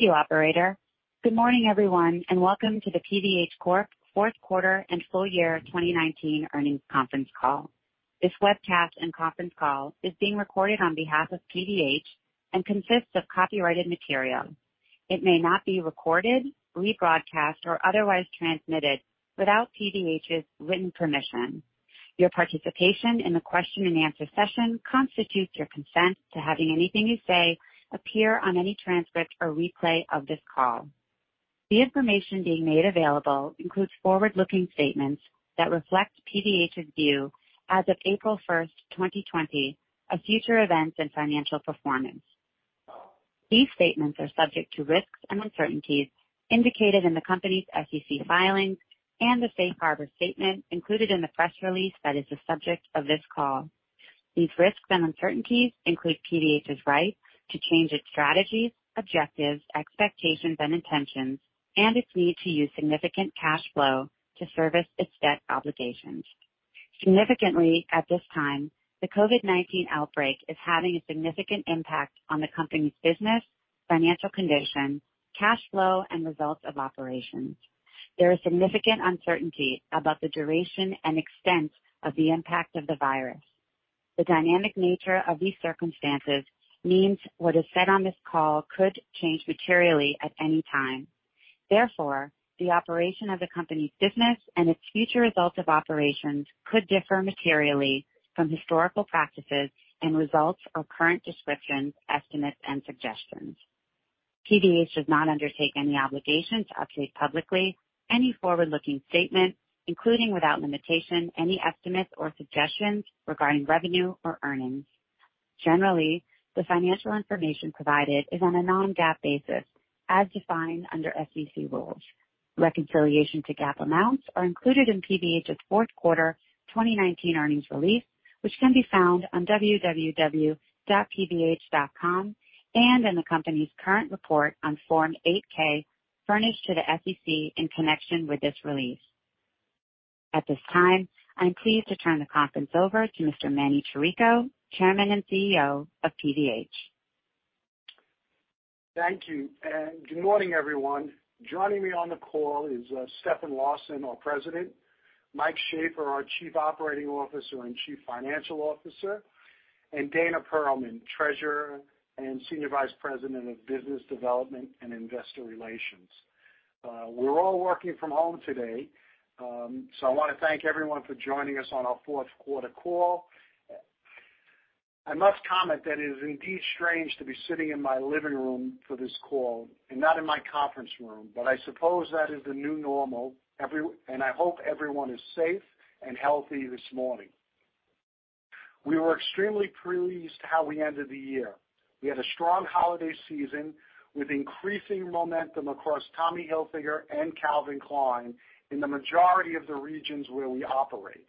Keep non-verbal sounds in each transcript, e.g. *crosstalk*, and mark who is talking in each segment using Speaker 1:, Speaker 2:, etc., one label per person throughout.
Speaker 1: Thank you operator. Good morning everyone, and welcome to the PVH Corp fourth quarter and full year 2019 earnings conference call. This webcast and conference call is being recorded on behalf of PVH and consists of copyrighted material. It may not be recorded, rebroadcast, or otherwise transmitted without PVH's written permission. Your participation in the question and answer session constitutes your consent to having anything you say appear on any transcript or replay of this call. The information being made available includes forward-looking statements that reflect PVH's view as of April 1st, 2020, of future events and financial performance. These statements are subject to risks and uncertainties indicated in the company's SEC filings and the safe harbor statement included in the press release that is the subject of this call. These risks and uncertainties include PVH's right to change its strategies, objectives, expectations, and intentions, and its need to use significant cash flow to service its debt obligations. Significantly at this time, the COVID-19 outbreak is having a significant impact on the company's business, financial condition, cash flow, and results of operations. There is significant uncertainty about the duration and extent of the impact of the virus. The dynamic nature of these circumstances means what is said on this call could change materially at any time. Therefore, the operation of the company's business and its future results of operations could differ materially from historical practices and results or current descriptions, estimates, and suggestions. PVH does not undertake any obligation to update publicly any forward-looking statement, including, without limitation, any estimates or suggestions regarding revenue or earnings. Generally, the financial information provided is on a non-GAAP basis as defined under SEC rules. Reconciliation to GAAP amounts are included in PVH's fourth quarter 2019 earnings release, which can be found on www.pvh.com and in the company's current report on Form 8-K furnished to the SEC in connection with this release. At this time, I am pleased to turn the conference over to Mr. Manny Chirico, Chairman and CEO of PVH.
Speaker 2: Thank you. Good morning, everyone. Joining me on the call is Stefan Larsson, our President, Mike Shaffer, our Chief Operating Officer and Chief Financial Officer, and Dana Perlman, Treasurer and Senior Vice President of Business Development and Investor Relations. We're all working from home today. I want to thank everyone for joining us on our fourth quarter call. I must comment that it is indeed strange to be sitting in my living room for this call and not in my conference room. I suppose that is the new normal, and I hope everyone is safe and healthy this morning. We were extremely pleased how we ended the year. We had a strong holiday season with increasing momentum across Tommy Hilfiger and Calvin Klein in the majority of the regions where we operate.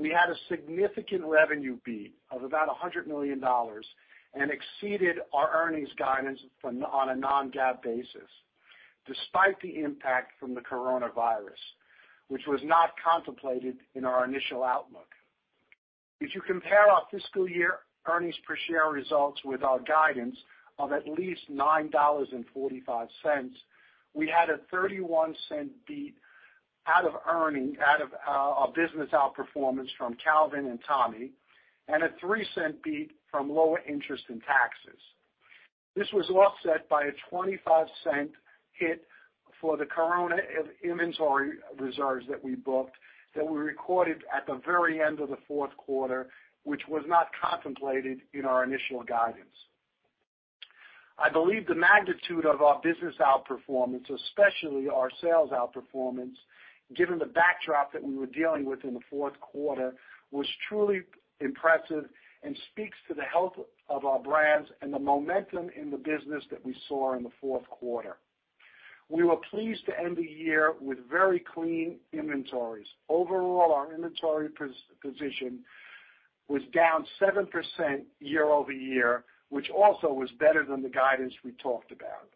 Speaker 2: We had a significant revenue beat of about $100 million and exceeded our earnings guidance on a non-GAAP basis, despite the impact from the COVID-19, which was not contemplated in our initial outlook. If you compare our fiscal year earnings per share results with our guidance of at least $9.45, we had a $0.31 beat out of a business outperformance from Calvin and Tommy and a $0.03 beat from lower interest and taxes. This was offset by a $0.25 hit for the COVID-19 inventory reserves that we booked that were recorded at the very end of the fourth quarter, which was not contemplated in our initial guidance. I believe the magnitude of our business outperformance, especially our sales outperformance, given the backdrop that we were dealing with in the fourth quarter, was truly impressive and speaks to the health of our brands and the momentum in the business that we saw in the fourth quarter. We were pleased to end the year with very clean inventories. Overall, our inventory position was down 7% year-over-year, which also was better than the guidance we talked about.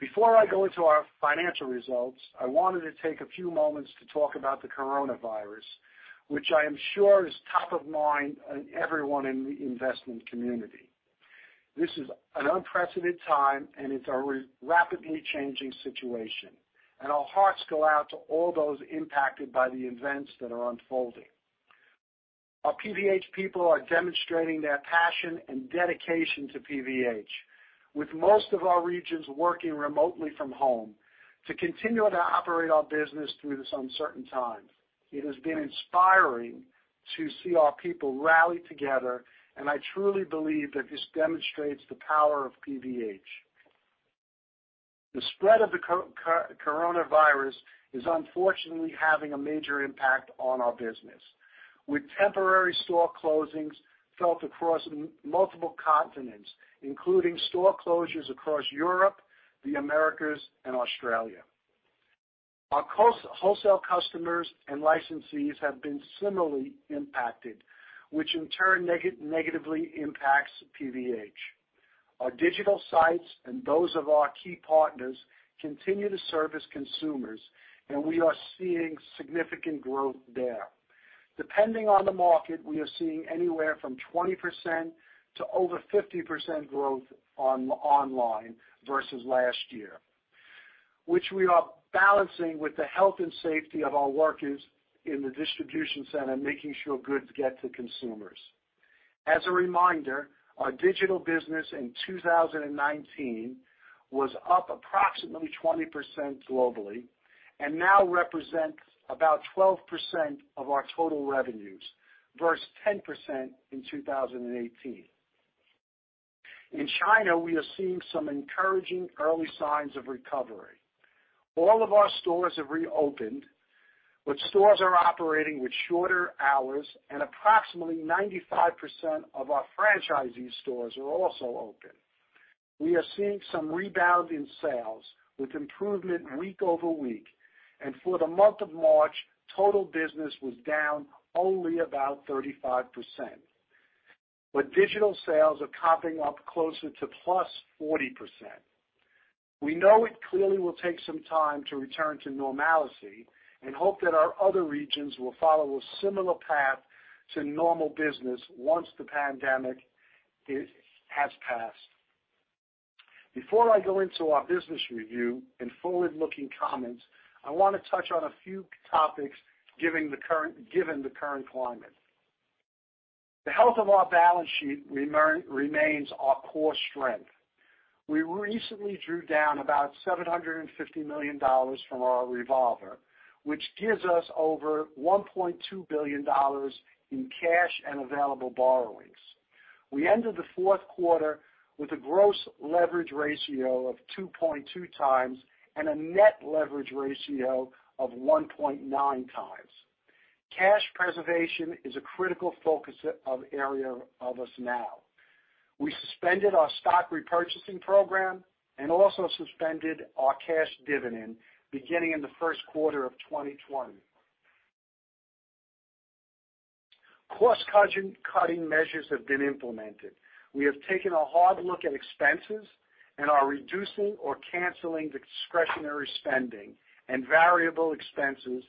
Speaker 2: Before I go into our financial results, I wanted to take a few moments to talk about the coronavirus, which I am sure is top of mind on everyone in the investment community. This is an unprecedented time, it's a rapidly changing situation. Our hearts go out to all those impacted by the events that are unfolding. Our PVH people are demonstrating their passion and dedication to PVH, with most of our regions working remotely from home to continue to operate our business through this uncertain time. It has been inspiring to see our people rally together, and I truly believe that this demonstrates the power of PVH. The spread of the coronavirus is unfortunately having a major impact on our business, with temporary store closings felt across multiple continents, including store closures across Europe, the Americas, and Australia. Our wholesale customers and licensees have been similarly impacted, which in turn negatively impacts PVH. Our digital sites and those of our key partners continue to service consumers, and we are seeing significant growth there. Depending on the market, we are seeing anywhere from 20% to over 50% growth online versus last year, which we are balancing with the health and safety of our workers in the distribution center, making sure goods get to consumers. As a reminder, our digital business in 2019 was up approximately 20% globally and now represents about 12% of our total revenues, versus 10% in 2018. In China, we are seeing some encouraging early signs of recovery. All of our stores have reopened, but stores are operating with shorter hours and approximately 95% of our franchisee stores are also open. We are seeing some rebound in sales, with improvement week over week, and for the month of March, total business was down only about 35%. Digital sales are popping up closer to +40%. We know it clearly will take some time to return to normalcy and hope that our other regions will follow a similar path to normal business once the pandemic has passed. Before I go into our business review and forward-looking comments, I want to touch on a few topics given the current climate. The health of our balance sheet remains our core strength. We recently drew down about $750 million from our revolver, which gives us over $1.2 billion in cash and available borrowings. We ended the fourth quarter with a gross leverage ratio of 2.2x and a net leverage ratio of 1.9x. Cash preservation is a critical focus of area of us now. We suspended our stock repurchasing program and also suspended our cash dividend beginning in the first quarter of 2020. Cost-cutting measures have been implemented. We have taken a hard look at expenses and are reducing or canceling discretionary spending and variable expenses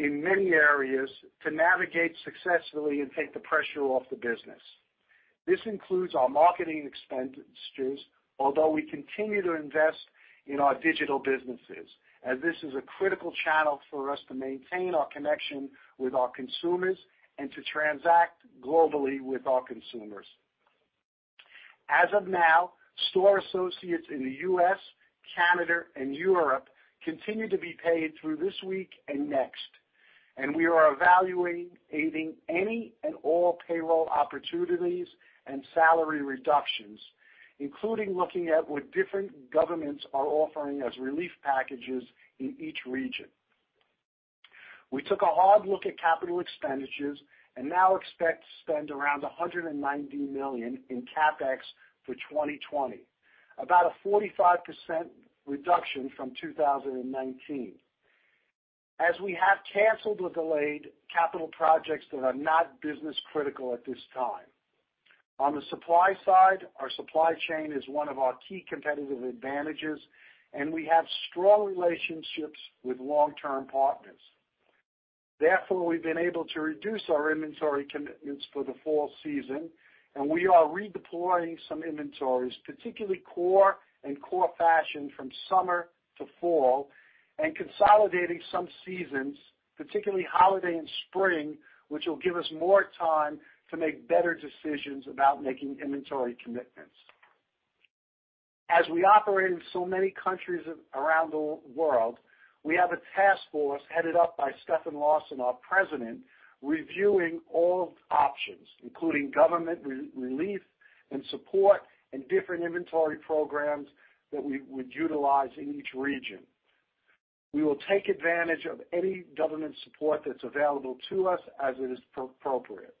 Speaker 2: in many areas to navigate successfully and take the pressure off the business. This includes our marketing expenditures, although we continue to invest in our digital businesses, as this is a critical channel for us to maintain our connection with our consumers and to transact globally with our consumers. As of now, store associates in the U.S., Canada, and Europe continue to be paid through this week and next, and we are evaluating any and all payroll opportunities and salary reductions, including looking at what different governments are offering as relief packages in each region. We took a hard look at capital expenditures and now expect to spend around $190 million in CapEx for 2020. About a 45% reduction from 2019. As we have canceled or delayed capital projects that are not business critical at this time. On the supply side, our supply chain is one of our key competitive advantages, and we have strong relationships with long-term partners. Therefore, we've been able to reduce our inventory commitments for the fall season, and we are redeploying some inventories, particularly core and core fashion, from summer to fall, and consolidating some seasons, particularly holiday and spring, which will give us more time to make better decisions about making inventory commitments. As we operate in so many countries around the world, we have a task force headed up by Stefan Larsson, our President, reviewing all options, including government relief and support and different inventory programs that we would utilize in each region. We will take advantage of any government support that's available to us as it is appropriate.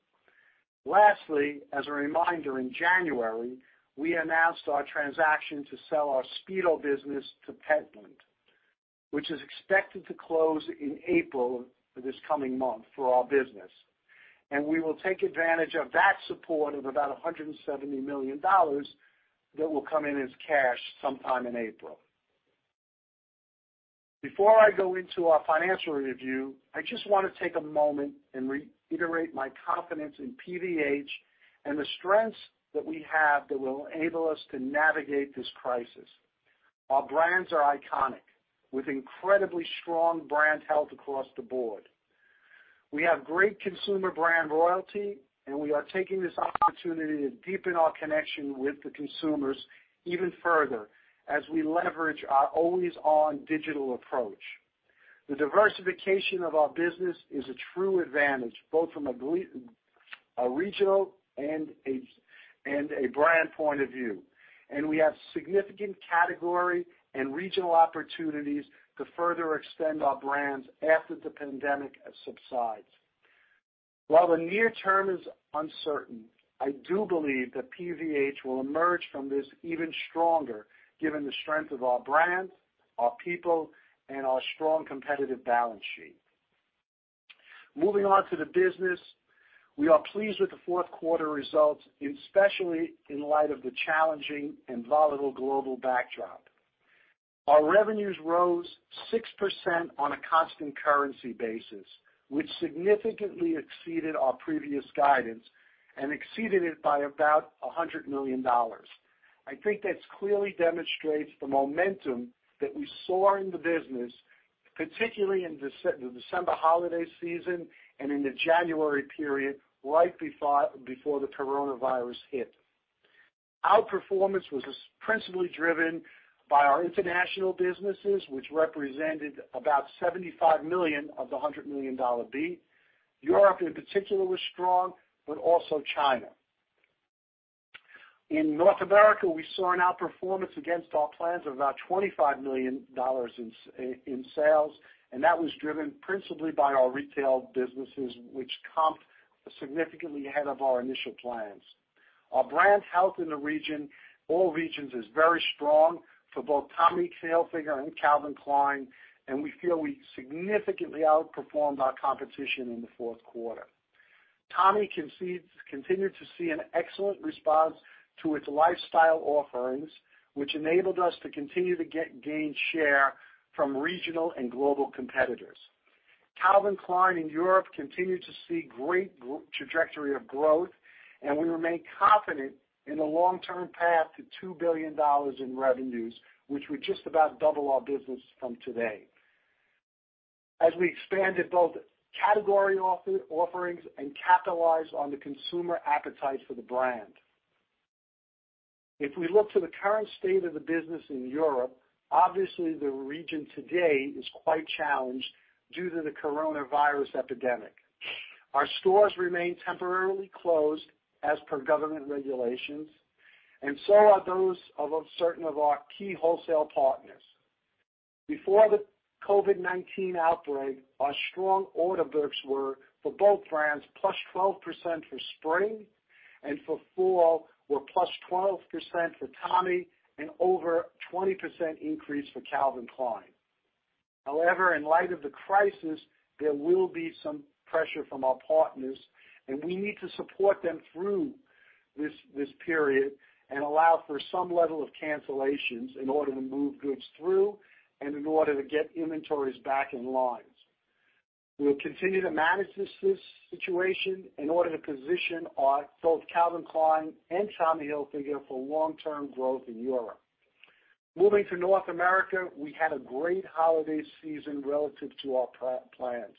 Speaker 2: Lastly, as a reminder, in January, we announced our transaction to sell our Speedo business to Pentland Group, which is expected to close in April, this coming month, for our business. We will take advantage of that support of about $170 million that will come in as cash sometime in April. Before I go into our financial review, I just want to take a moment and reiterate my confidence in PVH and the strengths that we have that will enable us to navigate this crisis. Our brands are iconic, with incredibly strong brand health across the board. We have great consumer brand loyalty, and we are taking this opportunity to deepen our connection with the consumers even further as we leverage our always-on digital approach. The diversification of our business is a true advantage, both from a regional and a brand point of view, and we have significant category and regional opportunities to further extend our brands after the pandemic subsides. While the near term is uncertain, I do believe that PVH will emerge from this even stronger given the strength of our brands, our people, and our strong competitive balance sheet. Moving on to the business, we are pleased with the fourth quarter results, especially in light of the challenging and volatile global backdrop. Our revenues rose 6% on a constant currency basis, which significantly exceeded our previous guidance and exceeded it by about $100 million. I think that clearly demonstrates the momentum that we saw in the business, particularly in the December holiday season and in the January period, right before the coronavirus hit. Outperformance was principally driven by our international businesses, which represented about $75 million of the $100 million beat. Europe in particular was strong, but also China. In North America, we saw an outperformance against our plans of about $25 million in sales, and that was driven principally by our retail businesses, which comped significantly ahead of our initial plans. Our brand health in all regions is very strong for both Tommy Hilfiger and Calvin Klein, and we feel we significantly outperformed our competition in the fourth quarter. Tommy continued to see an excellent response to its lifestyle offerings, which enabled us to continue to gain share from regional and global competitors. Calvin Klein in Europe continued to see great trajectory of growth, and we remain confident in the long-term path to $2 billion in revenues, which would just about double our business from today, as we expanded both category offerings and capitalized on the consumer appetite for the brand. If we look to the current state of the business in Europe, obviously the region today is quite challenged due to the coronavirus epidemic. Our stores remain temporarily closed as per government regulations, and so are those of certain of our key wholesale partners. Before the COVID-19 outbreak, our strong order books were for both brands, +12% for spring, and for fall were +12% for Tommy, and over a 20% increase for Calvin Klein. However, in light of the crisis, there will be some pressure from our partners, and we need to support them through this period and allow for some level of cancellations in order to move goods through and in order to get inventories back in line. We'll continue to manage this situation in order to position both Calvin Klein and Tommy Hilfiger for long-term growth in Europe. Moving to North America, we had a great holiday season relative to our plans.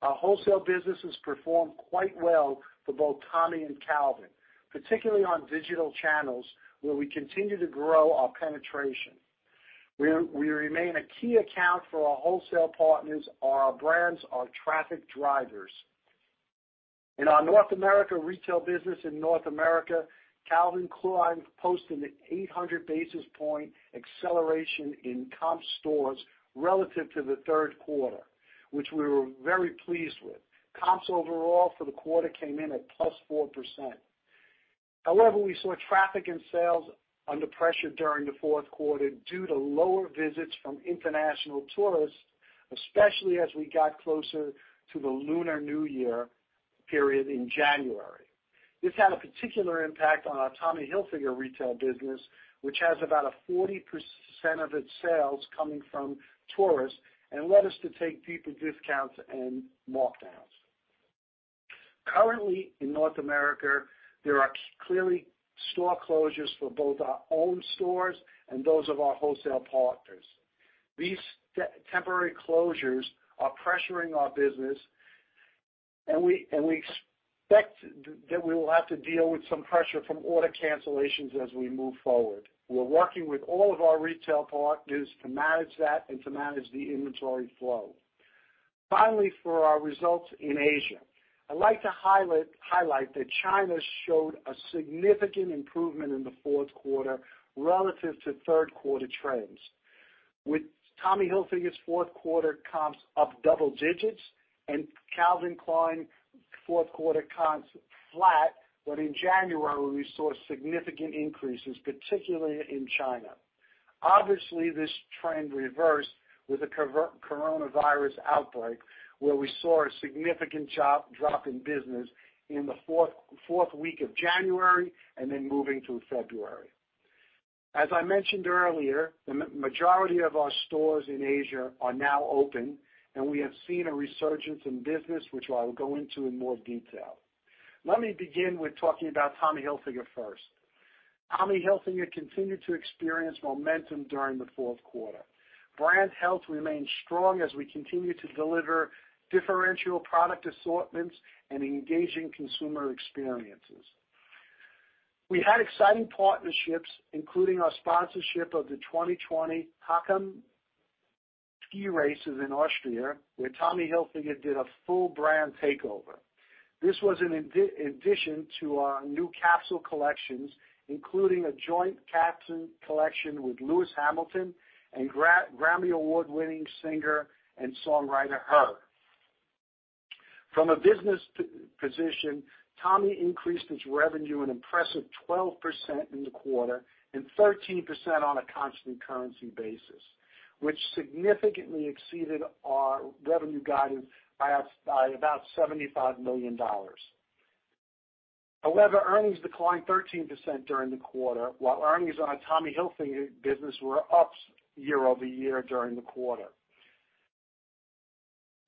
Speaker 2: Our wholesale businesses performed quite well for both Tommy and Calvin, particularly on digital channels, where we continue to grow our penetration. We remain a key account for our wholesale partners. Our brands are traffic drivers. In our North America retail business in North America, Calvin Klein posted an 800 basis point acceleration in comp stores relative to the third quarter, which we were very pleased with. Comps overall for the quarter came in at +4%. However, we saw traffic and sales under pressure during the fourth quarter due to lower visits from international tourists, especially as we got closer to the Lunar New Year period in January. This had a particular impact on our Tommy Hilfiger retail business, which has about 40% of its sales coming from tourists, and led us to take deeper discounts and markdowns. Currently in North America, there are clearly store closures for both our own stores and those of our wholesale partners. These temporary closures are pressuring our business, and we expect that we will have to deal with some pressure from order cancellations as we move forward. We're working with all of our retail partners to manage that and to manage the inventory flow. Finally, for our results in Asia, I'd like to highlight that China showed a significant improvement in the fourth quarter relative to third quarter trends, with Tommy Hilfiger's fourth quarter comps up double digits and Calvin Klein fourth quarter comps flat. In January, we saw significant increases, particularly in China. Obviously, this trend reversed with the coronavirus outbreak, where we saw a significant drop in business in the fourth week of January, moving to February. As I mentioned earlier, the majority of our stores in Asia are now open, and we have seen a resurgence in business, which I will go into in more detail. Let me begin with talking about Tommy Hilfiger first. Tommy Hilfiger continued to experience momentum during the fourth quarter. Brand health remains strong as we continue to deliver differential product assortments and engaging consumer experiences. We had exciting partnerships, including our sponsorship of the 2020 Hahnenkamm Race ski races in Austria, where Tommy Hilfiger did a full brand takeover. This was in addition to our new capsule collections, including a joint capsule collection with Lewis Hamilton and Grammy Award-winning singer and songwriter H.E.R. From a business position, Tommy increased its revenue an impressive 12% in the quarter and 13% on a constant currency basis, which significantly exceeded our revenue guidance by about $75 million. However, earnings declined 13% during the quarter, while earnings on Tommy Hilfiger business were up year-over-year during the quarter.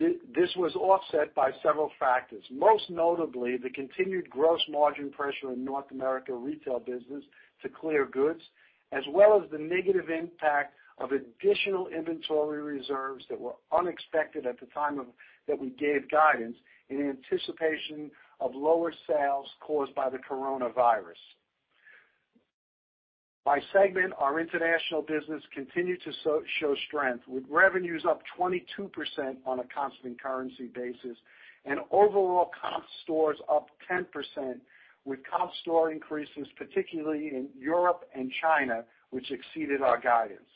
Speaker 2: This was offset by several factors, most notably the continued gross margin pressure in North America retail business to clear goods, as well as the negative impact of additional inventory reserves that were unexpected at the time that we gave guidance in anticipation of lower sales caused by the coronavirus. By segment, our international business continued to show strength, with revenues up 22% on a constant currency basis and overall comp stores up 10% with comp store increases, particularly in Europe and China, which exceeded our guidance.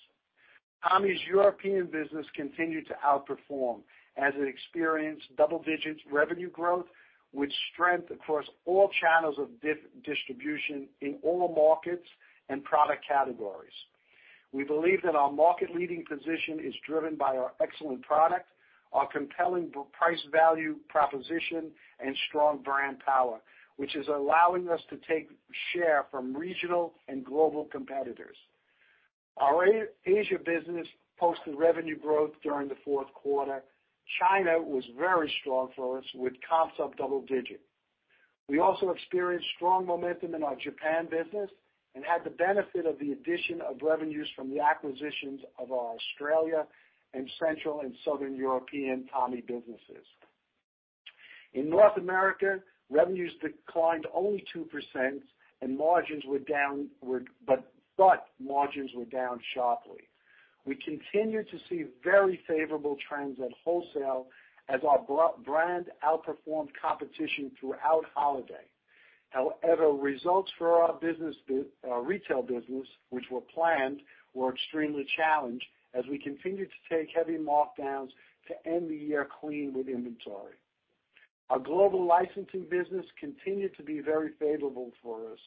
Speaker 2: Tommy's European business continued to outperform as it experienced double-digit revenue growth, with strength across all channels of distribution in all markets and product categories. We believe that our market-leading position is driven by our excellent product, our compelling price-value proposition, and strong brand power, which is allowing us to take share from regional and global competitors. Our Asia business posted revenue growth during the fourth quarter. China was very strong for us, with comps up double digits. We also experienced strong momentum in our Japan business and had the benefit of the addition of revenues from the acquisitions of our Australia and Central and Southern European Tommy businesses. In North America, revenues declined only 2%, but margins were down sharply. We continue to see very favorable trends at wholesale as our brand outperformed competition throughout holiday. Results for our retail business, which were planned, were extremely challenged as we continued to take heavy markdowns to end the year clean with inventory. Our global licensing business continued to be very favorable for us,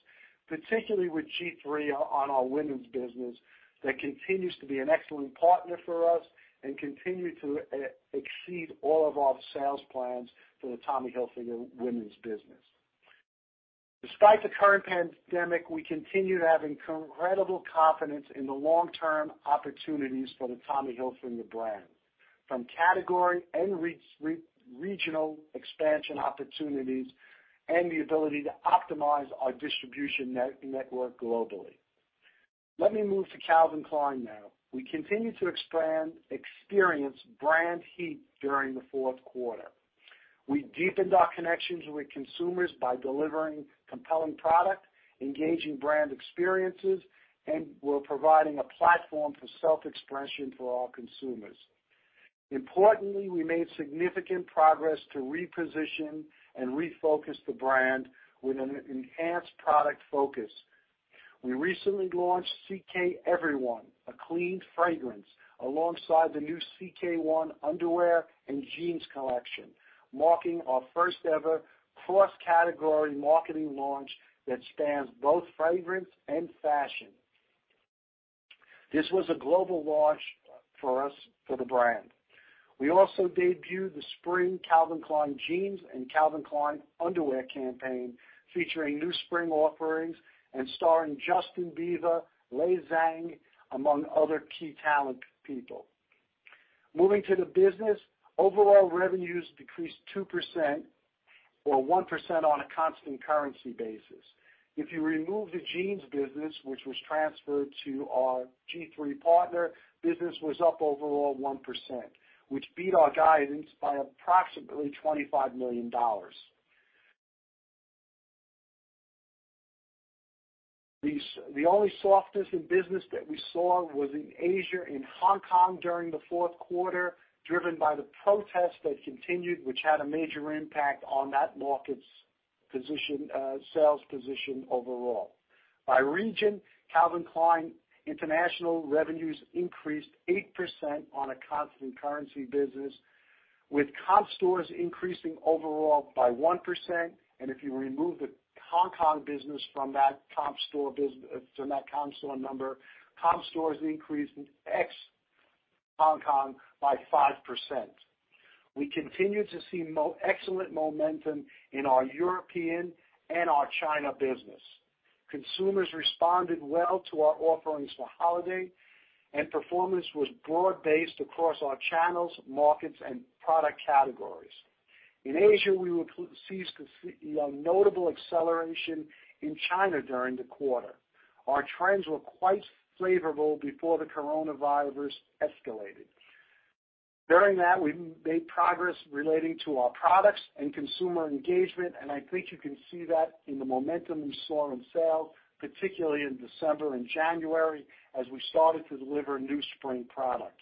Speaker 2: particularly with G-III on our women's business. That continues to be an excellent partner for us and continue to exceed all of our sales plans for the Tommy Hilfiger women's business. Despite the current pandemic, we continue to have incredible confidence in the long-term opportunities for the Tommy Hilfiger brand, from category and regional expansion opportunities and the ability to optimize our distribution network globally. Let me move to Calvin Klein now. We continue to experience brand heat during the fourth quarter. We deepened our connections with consumers by delivering compelling product, engaging brand experiences, and we're providing a platform for self-expression for our consumers. Importantly, we made significant progress to reposition and refocus the brand with an enhanced product focus. We recently launched CK Everyone, a clean fragrance alongside the new CK One underwear and jeans collection, marking our first ever cross-category marketing launch that spans both fragrance and fashion. This was a global launch for us for the brand. We also debuted the spring Calvin Klein Jeans and Calvin Klein underwear campaign, featuring new spring offerings and starring Justin Bieber, Lay Zhang, among other key talent people. Moving to the business, overall revenues decreased 2% or 1% on a constant currency basis. If you remove the jeans business, which was transferred to our G-III partner, business was up overall 1%, which beat our guidance by approximately $25 million. The only softness in business that we saw was in Asia, in Hong Kong during the fourth quarter, driven by the protests that continued, which had a major impact on that market's sales position overall. By region, Calvin Klein international revenues increased 8% on a constant currency business, with comp stores increasing overall by 1%. If you remove the Hong Kong business from that comp store number, comp stores increased ex Hong Kong by 5%. We continued to see excellent momentum in our European and our China business. Consumers responded well to our offerings for holiday, performance was broad-based across our channels, markets, and product categories. In Asia, we seized a notable acceleration in China during the quarter. Our trends were quite favorable before the coronavirus escalated. During that, we made progress relating to our products and consumer engagement, and I think you can see that in the momentum we saw in sales, particularly in December and January as we started to deliver new spring product.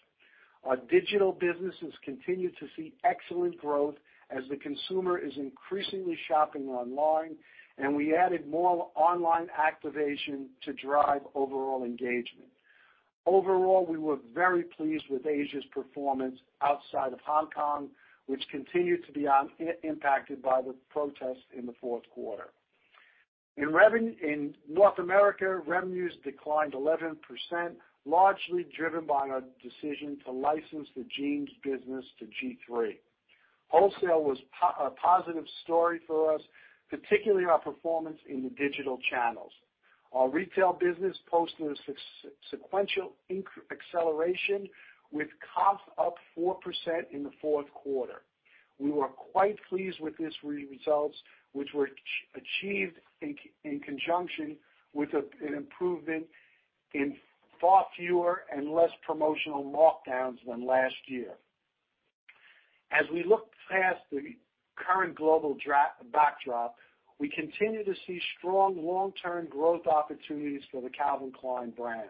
Speaker 2: Our digital businesses continued to see excellent growth as the consumer is increasingly shopping online, and we added more online activation to drive overall engagement. Overall, we were very pleased with Asia's performance outside of Hong Kong, which continued to be impacted by the protests in the fourth quarter. In North America, revenues declined 11%, largely driven by our decision to license the jeans business to G-III. Wholesale was a positive story for us, particularly our performance in the digital channels. Our retail business posted a sequential acceleration with comp up 4% in the fourth quarter. We were quite pleased with these results, which were achieved in conjunction with an improvement in far fewer and less promotional markdowns than last year. As we look past the current global backdrop, we continue to see strong long-term growth opportunities for the Calvin Klein brand.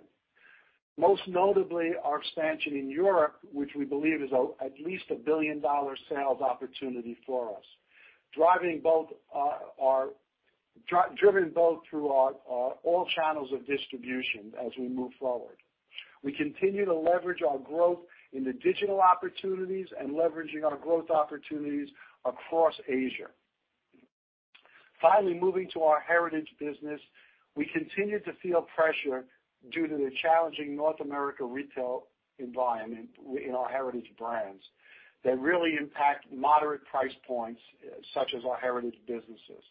Speaker 2: Most notably, our expansion in Europe, which we believe is at least a $1 billion sales opportunity for us. Driven both through all channels of distribution as we move forward. We continue to leverage our growth in the digital opportunities and leveraging our growth opportunities across Asia. Finally, moving to our Heritage business. We continue to feel pressure due to the challenging North America retail environment in our Heritage brands, that really impact moderate price points such as our Heritage businesses.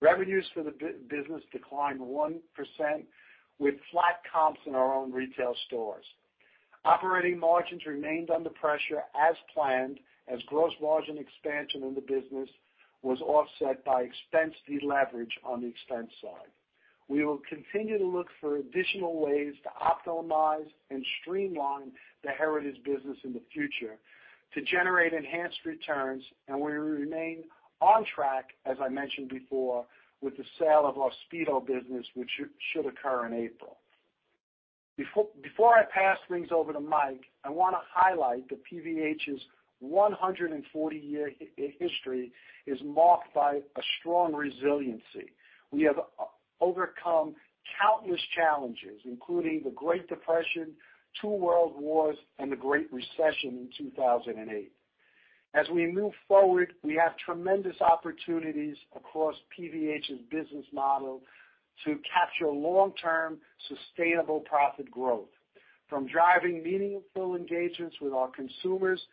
Speaker 2: Revenues for the business declined 1%, with flat comps in our own retail stores. Operating margins remained under pressure as planned, as gross margin expansion in the business was offset by expense deleverage on the expense side. We will continue to look for additional ways to optimize and streamline the Heritage business in the future to generate enhanced returns, and we remain on track, as I mentioned before, with the sale of our Speedo business, which should occur in April. Before I pass things over to Mike, I want to highlight that PVH's 140-year history is marked by a strong resiliency. We have overcome countless challenges, including the Great Depression, two world wars, and the Great Recession in 2008. As we move forward, we have tremendous opportunities across PVH's business model to capture long-term sustainable profit growth. From driving meaningful engagements with our consumers, to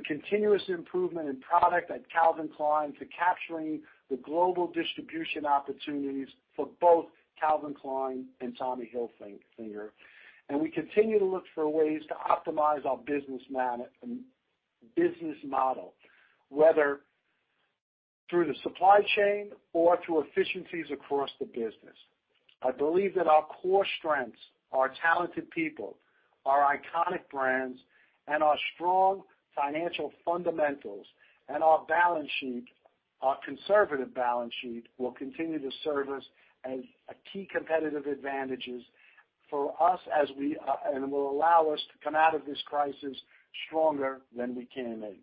Speaker 2: continuous improvement in product at Calvin Klein, to capturing the global distribution opportunities for both Calvin Klein and Tommy Hilfiger. We continue to look for ways to optimize our business model, whether through the supply chain or through efficiencies across the business. I believe that our core strengths, our talented people, our iconic brands, and our strong financial fundamentals and our conservative balance sheet will continue to serve us as key competitive advantages for us and will allow us to come out of this crisis stronger than we came in.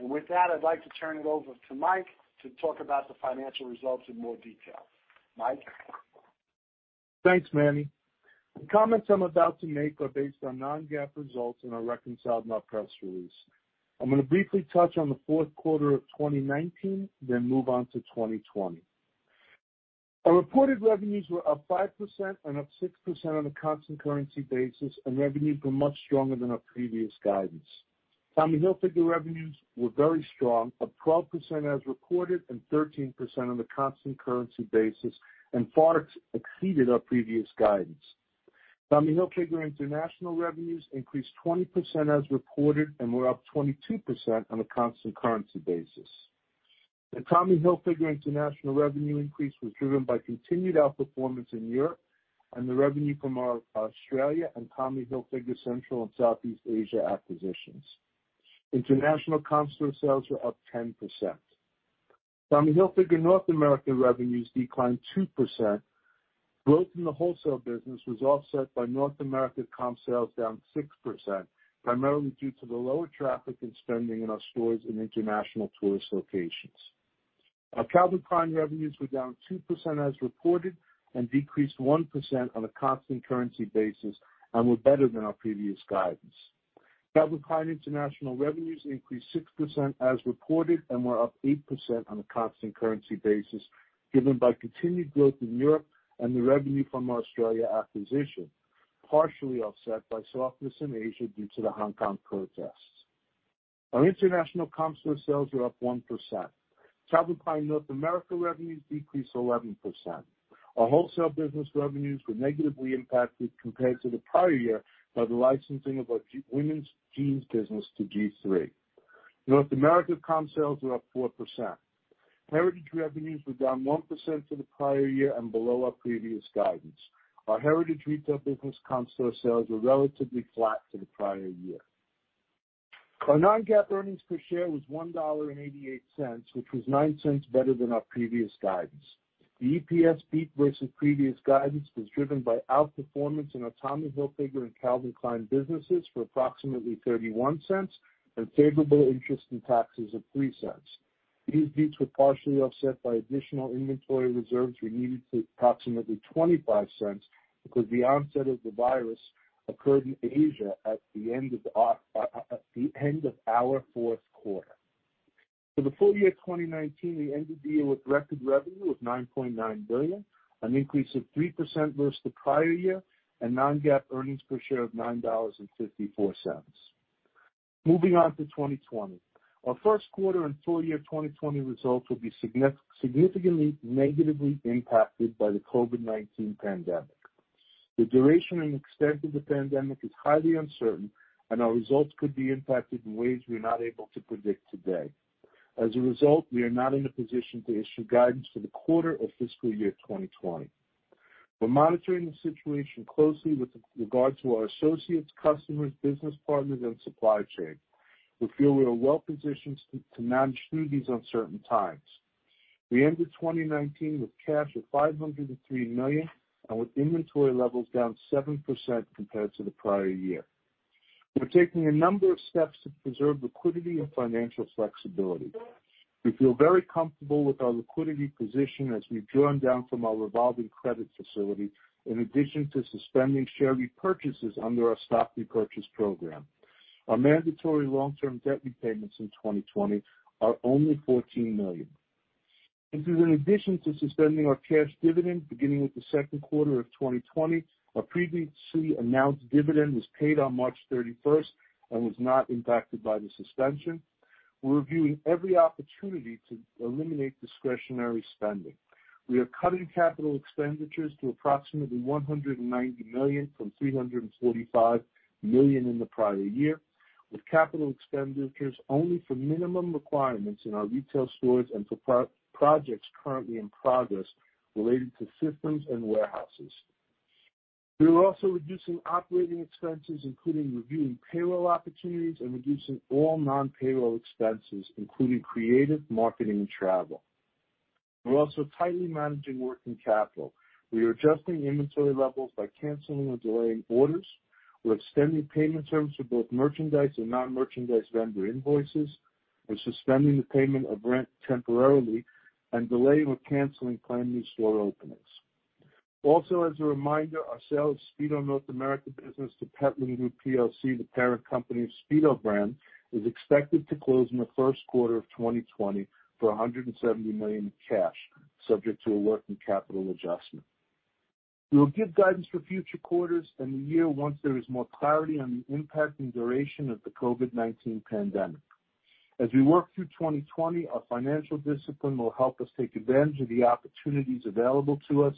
Speaker 2: With that, I'd like to turn it over to Mike to talk about the financial results in more detail. Mike?
Speaker 3: Thanks, Manny. The comments I'm about to make are based on non-GAAP results and are reconciled in our press release. I'm going to briefly touch on the fourth quarter of 2019, then move on to 2020. Our reported revenues were up 5% and up 6% on a constant currency basis, and revenues were much stronger than our previous guidance. Tommy Hilfiger revenues were very strong, up 12% as reported and 13% on a constant currency basis, and far exceeded our previous guidance. Tommy Hilfiger international revenues increased 20% as reported and were up 22% on a constant currency basis. The Tommy Hilfiger international revenue increase was driven by continued outperformance in Europe and the revenue from our Australia and Tommy Hilfiger Central and Southeast Asia acquisitions. International comp store sales were up 10%. Tommy Hilfiger North American revenues declined 2%. Growth in the wholesale business was offset by North America comp sales down 6%, primarily due to the lower traffic and spending in our stores in international tourist locations. Our Calvin Klein revenues were down 2% as reported and decreased 1% on a constant currency basis and were better than our previous guidance. Calvin Klein international revenues increased 6% as reported and were up 8% on a constant currency basis, driven by continued growth in Europe and the revenue from our Australia acquisition, partially offset by softness in Asia due to the Hong Kong protests. Our international comp store sales were up 1%. Calvin Klein North America revenues decreased 11%. Our wholesale business revenues were negatively impacted compared to the prior year by the licensing of our women's jeans business to G-III. North America comp sales were up 4%. Heritage revenues were down 1% to the prior year and below our previous guidance. Our Heritage retail business comp store sales were relatively flat to the prior year. Our non-GAAP earnings per share was $1.88, which was $0.09 better than our previous guidance. The EPS beat versus previous guidance was driven by outperformance in our Tommy Hilfiger and Calvin Klein businesses for approximately $0.31 and favorable interest in taxes of $0.03. These beats were partially offset by additional inventory reserves we needed to approximately $0.25 because the onset of the virus occurred in Asia at the end of our fourth quarter. For the full year 2019, we ended the year with record revenue of $9.9 billion, an increase of 3% versus the prior year, and non-GAAP earnings per share of $9.54. Moving on to 2020. Our first quarter and full year 2020 results will be significantly negatively impacted by the COVID-19 pandemic. The duration and extent of the pandemic is highly uncertain, and our results could be impacted in ways we are not able to predict today. As a result, we are not in a position to issue guidance for the quarter or fiscal year 2020. We're monitoring the situation closely with regard to our associates, customers, business partners, and supply chain. We feel we are well-positioned to manage through these uncertain times. We ended 2019 with cash of $503 million and with inventory levels down 7% compared to the prior year. We're taking a number of steps to preserve liquidity and financial flexibility. We feel very comfortable with our liquidity position as we've drawn down from our revolving credit facility, in addition to suspending share repurchases under our stock repurchase program. Our mandatory long-term debt repayments in 2020 are only $14 million. In addition to suspending our cash dividend beginning with the second quarter of 2020, our previously announced dividend was paid on March 31st and was not impacted by the suspension. We're reviewing every opportunity to eliminate discretionary spending. We are cutting capital expenditures to approximately $190 million from $345 million in the prior year, with capital expenditures only for minimum requirements in our retail stores and for projects currently in progress related to systems and warehouses. We are also reducing operating expenses, including reviewing payroll opportunities and reducing all non-payroll expenses, including creative, marketing, and travel. We're also tightly managing working capital. We are adjusting inventory levels by canceling or delaying orders. We're extending payment terms for both merchandise and non-merchandise vendor invoices. We're suspending the payment of rent temporarily and delaying or canceling planned new store openings. Also, as a reminder, our sale of Speedo North America business to Pentland Group PLC, the parent company of Speedo brand, is expected to close in the first quarter of 2020 for $170 million in cash, subject to a working capital adjustment. We will give guidance for future quarters and the year once there is more clarity on the impact and duration of the COVID-19 pandemic. As we work through 2020, our financial discipline will help us take advantage of the opportunities available to us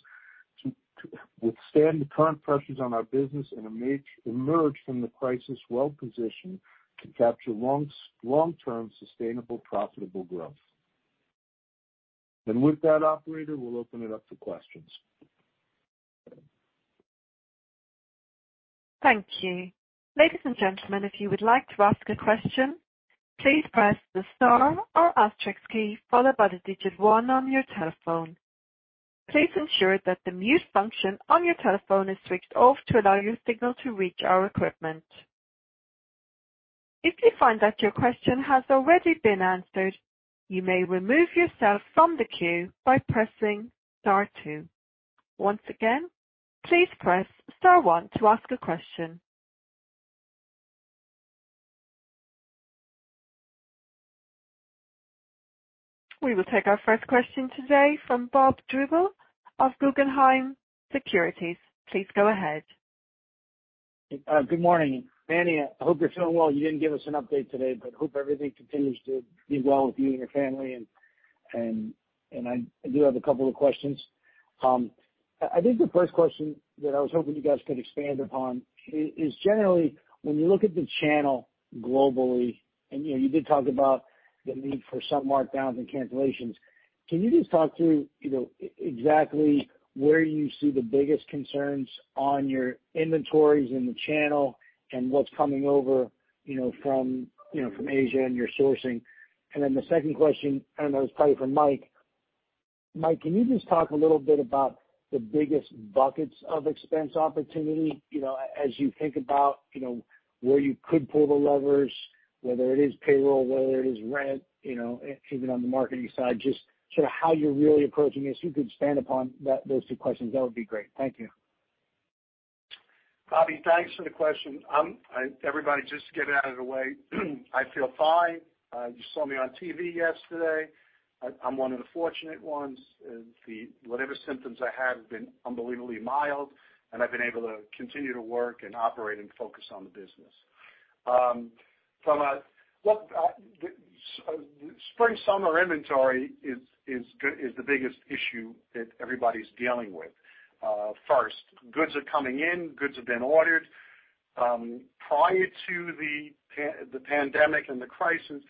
Speaker 3: to withstand the current pressures on our business and emerge from the crisis well-positioned to capture long-term, sustainable, profitable growth. With that, operator, we'll open it up to questions.
Speaker 4: Thank you. Ladies and gentlemen, if you would like to ask a question, please press the star or asterisk key followed by the digit one on your telephone. Please ensure that the mute function on your telephone is switched off to allow your signal to reach our equipment. If you find that your question has already been answered, you may remove yourself from the queue by pressing star two. Once again, please press star one to ask a question. We will take our first question today from Bob Drbul of Guggenheim Securities. Please go ahead.
Speaker 5: Good morning. Manny, I hope you're feeling well. You didn't give us an update today, hope everything continues to be well with you and your family. I do have a couple of questions. I think the first question that I was hoping you guys could expand upon is generally when you look at the channel globally, and you did talk about the need for some markdowns and cancellations. Can you just talk through exactly where you see the biggest concerns on your inventories in the channel and what's coming over from Asia and your sourcing? The second question, and this is probably for Mike. Mike, can you just talk a little bit about the biggest buckets of expense opportunity as you think about where you could pull the levers, whether it is payroll, whether it is rent, even on the marketing side, just sort of how you're really approaching this. If you could expand upon those two questions, that would be great. Thank you.
Speaker 2: Bob, thanks for the question. Everybody, just to get it out of the way, I feel fine. You saw me on TV yesterday. I'm one of the fortunate ones. Whatever symptoms I have have been unbelievably mild, and I've been able to continue to work and operate and focus on the business. Spring summer inventory is the biggest issue that everybody's dealing with. First, goods are coming in. Goods have been ordered. Prior to the pandemic and the crisis,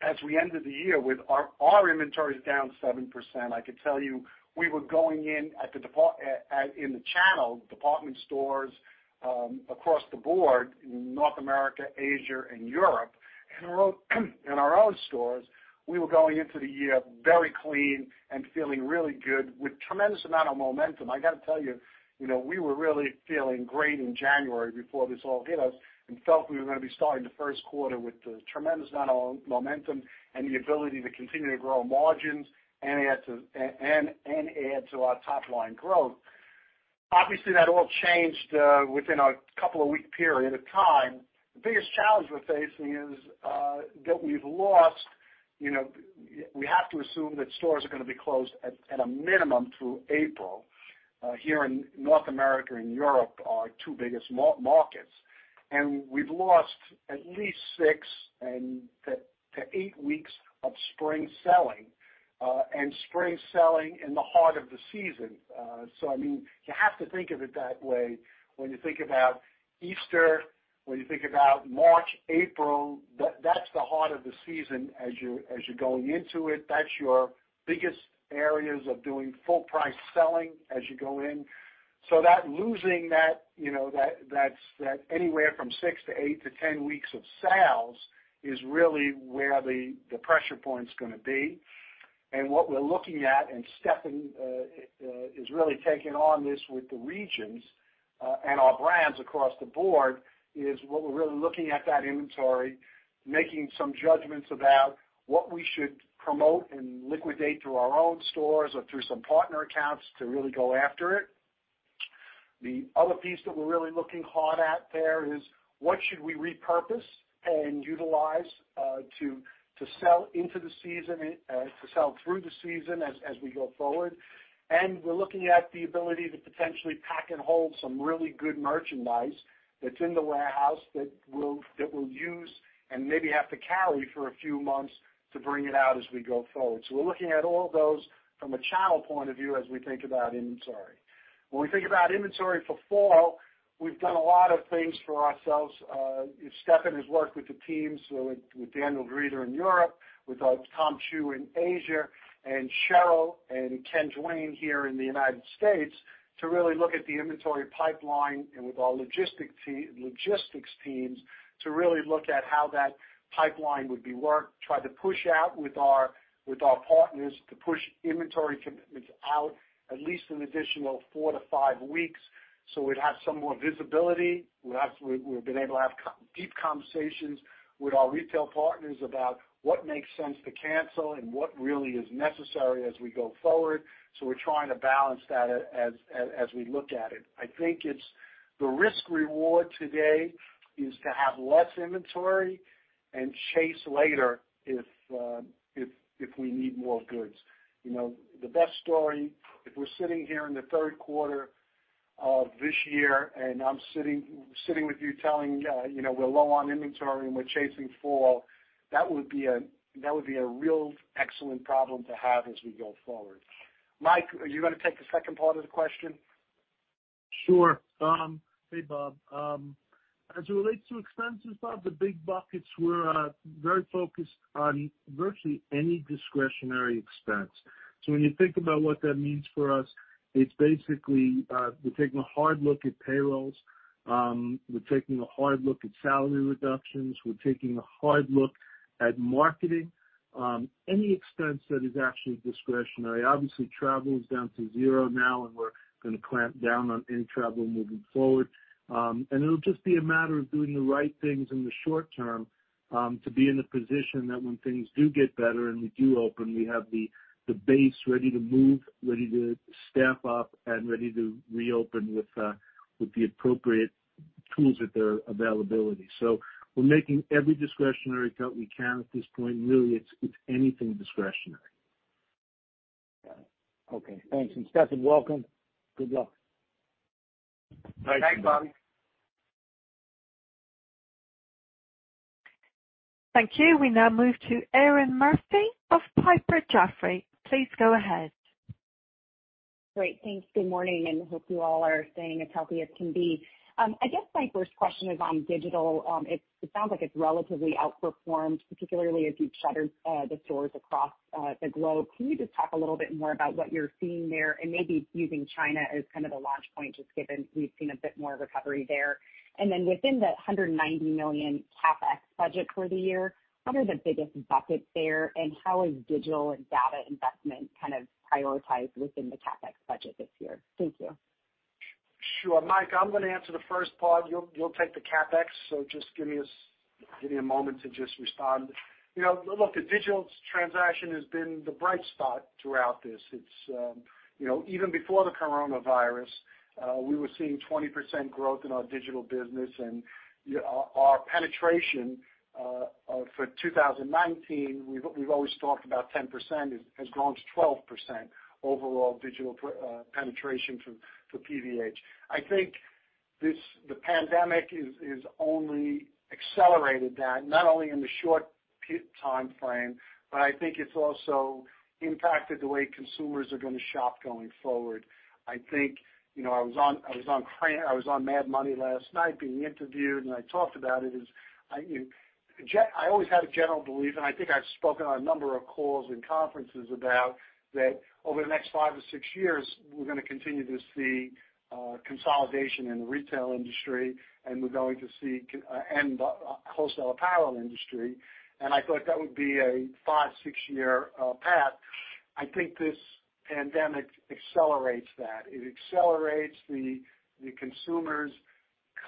Speaker 2: as we ended the year with our inventories down 7%, I could tell you, we were going in the channel, department stores across the board in North America, Asia, and Europe, and our own stores, we were going into the year very clean and feeling really good with tremendous amount of momentum. I got to tell you, we were really feeling great in January before this all hit us and felt we were going to be starting the first quarter with a tremendous amount of momentum and the ability to continue to grow margins and add to our top-line growth. Obviously, that all changed within a couple of week period of time. The biggest challenge we're facing is that we have to assume that stores are going to be closed at a minimum through April here in North America and Europe, our two biggest markets. We've lost at least six-eight weeks of spring selling, and spring selling in the heart of the season. You have to think of it that way when you think about Easter, when you think about March, April. That's the heart of the season as you're going into it. That's your biggest areas of doing full price selling as you go in. Losing that anywhere from 6 to 8 to 10 weeks of sales is really where the pressure point's going to be. What we're looking at, and Stefan is really taking on this with the regions, and our brands across the board, is what we're really looking at that inventory, making some judgments about what we should promote and liquidate through our own stores or through some partner accounts to really go after it. The other piece that we're really looking hard at there is what should we repurpose and utilize to sell through the season as we go forward. We're looking at the ability to potentially pack and hold some really good merchandise that's in the warehouse that we'll use and maybe have to carry for a few months to bring it out as we go forward. We're looking at all those from a channel point of view as we think about inventory. When we think about inventory for fall, we've done a lot of things for ourselves. Stefan has worked with the teams, with Daniel Grieder in Europe, with Tom Chu in Asia, and Cheryl and Ken Duane here in the U.S. to really look at the inventory pipeline and with our logistics teams to really look at how that pipeline would be worked, try to push out with our partners to push inventory commitments out at least an additional four-five weeks so we'd have some more visibility. We've been able to have deep conversations with our retail partners about what makes sense to cancel and what really is necessary as we go forward. We're trying to balance that as we look at it. I think the risk-reward today is to have less inventory and chase later if we need more goods. The best story, if we're sitting here in the third quarter of this year, and I'm sitting with you telling, we're low on inventory and we're chasing fall, that would be a real excellent problem to have as we go forward. Mike, are you going to take the second part of the question?
Speaker 3: Sure. Hey, Bob. As it relates to expenses, Bob, the big buckets we're very focused on virtually any discretionary expense. When you think about what that means for us, it's basically, we're taking a hard look at payrolls. We're taking a hard look at salary reductions. We're taking a hard look at marketing. Any expense that is actually discretionary. Obviously, travel is down to zero now, and we're going to clamp down on any travel moving forward. It'll just be a matter of doing the right things in the short term, to be in a position that when things do get better and we do open, we have the base ready to move, ready to staff up, and ready to reopen with the appropriate tools at their availability. We're making every discretionary cut we can at this point. Really, it's anything discretionary.
Speaker 5: Got it. Okay. Thanks. Stefan, welcome. Good luck.
Speaker 6: Thanks, Bob.
Speaker 4: Thank you. We now move to Erinn Murphy of Piper Sandler. Please go ahead.
Speaker 7: Great, thanks. Good morning, hope you all are staying as healthy as can be. I guess my first question is on digital. It sounds like it's relatively outperformed, particularly as you shuttered the stores across the globe. Can you just talk a little bit more about what you're seeing there and maybe using China as kind of the launch point, just given we've seen a bit more recovery there? Then within the $190 million CapEx budget for the year, what are the biggest buckets there, and how is digital and data investment kind of prioritized within the CapEx budget this year? Thank you.
Speaker 2: Sure. Mike, I'm going to answer the first part. You'll take the CapEx, so just give me a moment to just respond. Look, the digital transaction has been the bright spot throughout this. Even before the coronavirus, we were seeing 20% growth in our digital business, and our penetration, for 2019, we've always talked about 10%, has grown to 12% overall digital penetration for PVH. I think the pandemic has only accelerated that, not only in the short timeframe, but I think it's also impacted the way consumers are going to shop going forward. I was on "Mad Money" last night being interviewed, I talked about it is, I always had a general belief, I think I've spoken on a number of calls and conferences about that over the next five or six years, we're going to continue to see consolidation in the retail industry, we're going to see wholesale apparel industry, I thought that would be a five, six-year path. I think this pandemic accelerates that. It accelerates the consumer's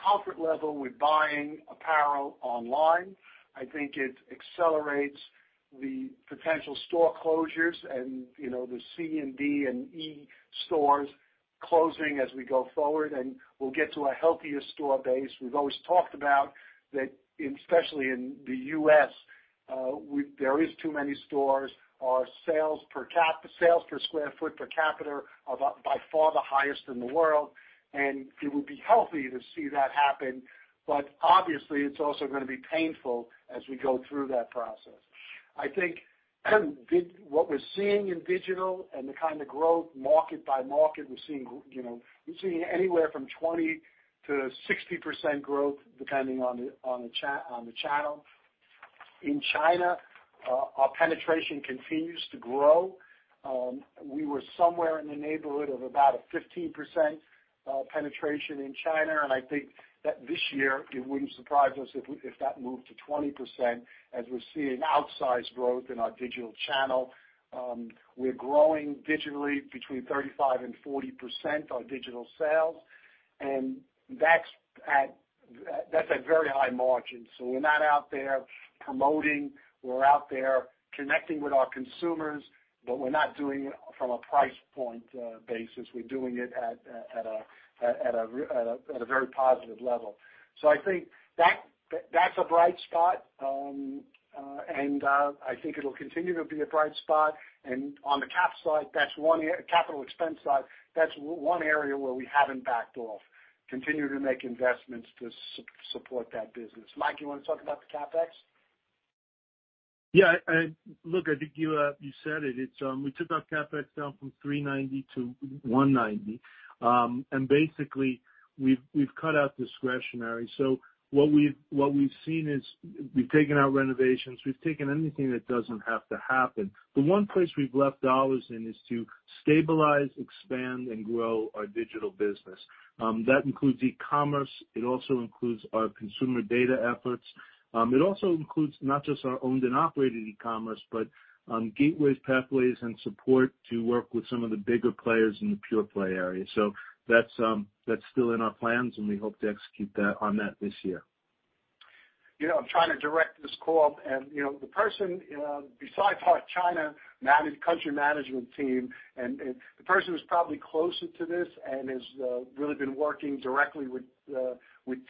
Speaker 2: comfort level with buying apparel online. I think it accelerates the potential store closures and the C and D and E stores closing as we go forward, we'll get to a healthier store base. We've always talked about that, especially in the U.S., there is too many stores. Our sales per square foot per capita are by far the highest in the world, and it would be healthy to see that happen. Obviously, it's also going to be painful as we go through that process. I think what we're seeing in digital and the kind of growth market by market, we're seeing anywhere from 20%-60% growth, depending on the channel. In China, our penetration continues to grow. We were somewhere in the neighborhood of about a 15% penetration in China, and I think that this year it wouldn't surprise us if that moved to 20%, as we're seeing outsized growth in our digital channel. We're growing digitally between 35%-40% our digital sales. That's at very high margins. We're not out there promoting. We're out there connecting with our consumers, but we're not doing it from a price point basis. We're doing it at a very positive level. I think that's a bright spot. I think it'll continue to be a bright spot. On the capital expense side, that's one area where we haven't backed off. Continue to make investments to support that business. Mike, you want to talk about the CapEx?
Speaker 3: Yeah. Look, I think you said it. We took our CapEx down from $390 million to $190 million. Basically, we've cut out discretionary. What we've seen is we've taken out renovations. We've taken anything that doesn't have to happen. The one place we've left dollars in is to stabilize, expand, and grow our digital business. That includes e-commerce. It also includes our consumer data efforts. It also includes not just our owned and operated e-commerce, but gateways, pathways, and support to work with some of the bigger players in the pure-play area. That's still in our plans, and we hope to execute on that this year.
Speaker 2: I'm trying to direct this call. Besides our China country management team and the person who's probably closer to this and has really been working directly with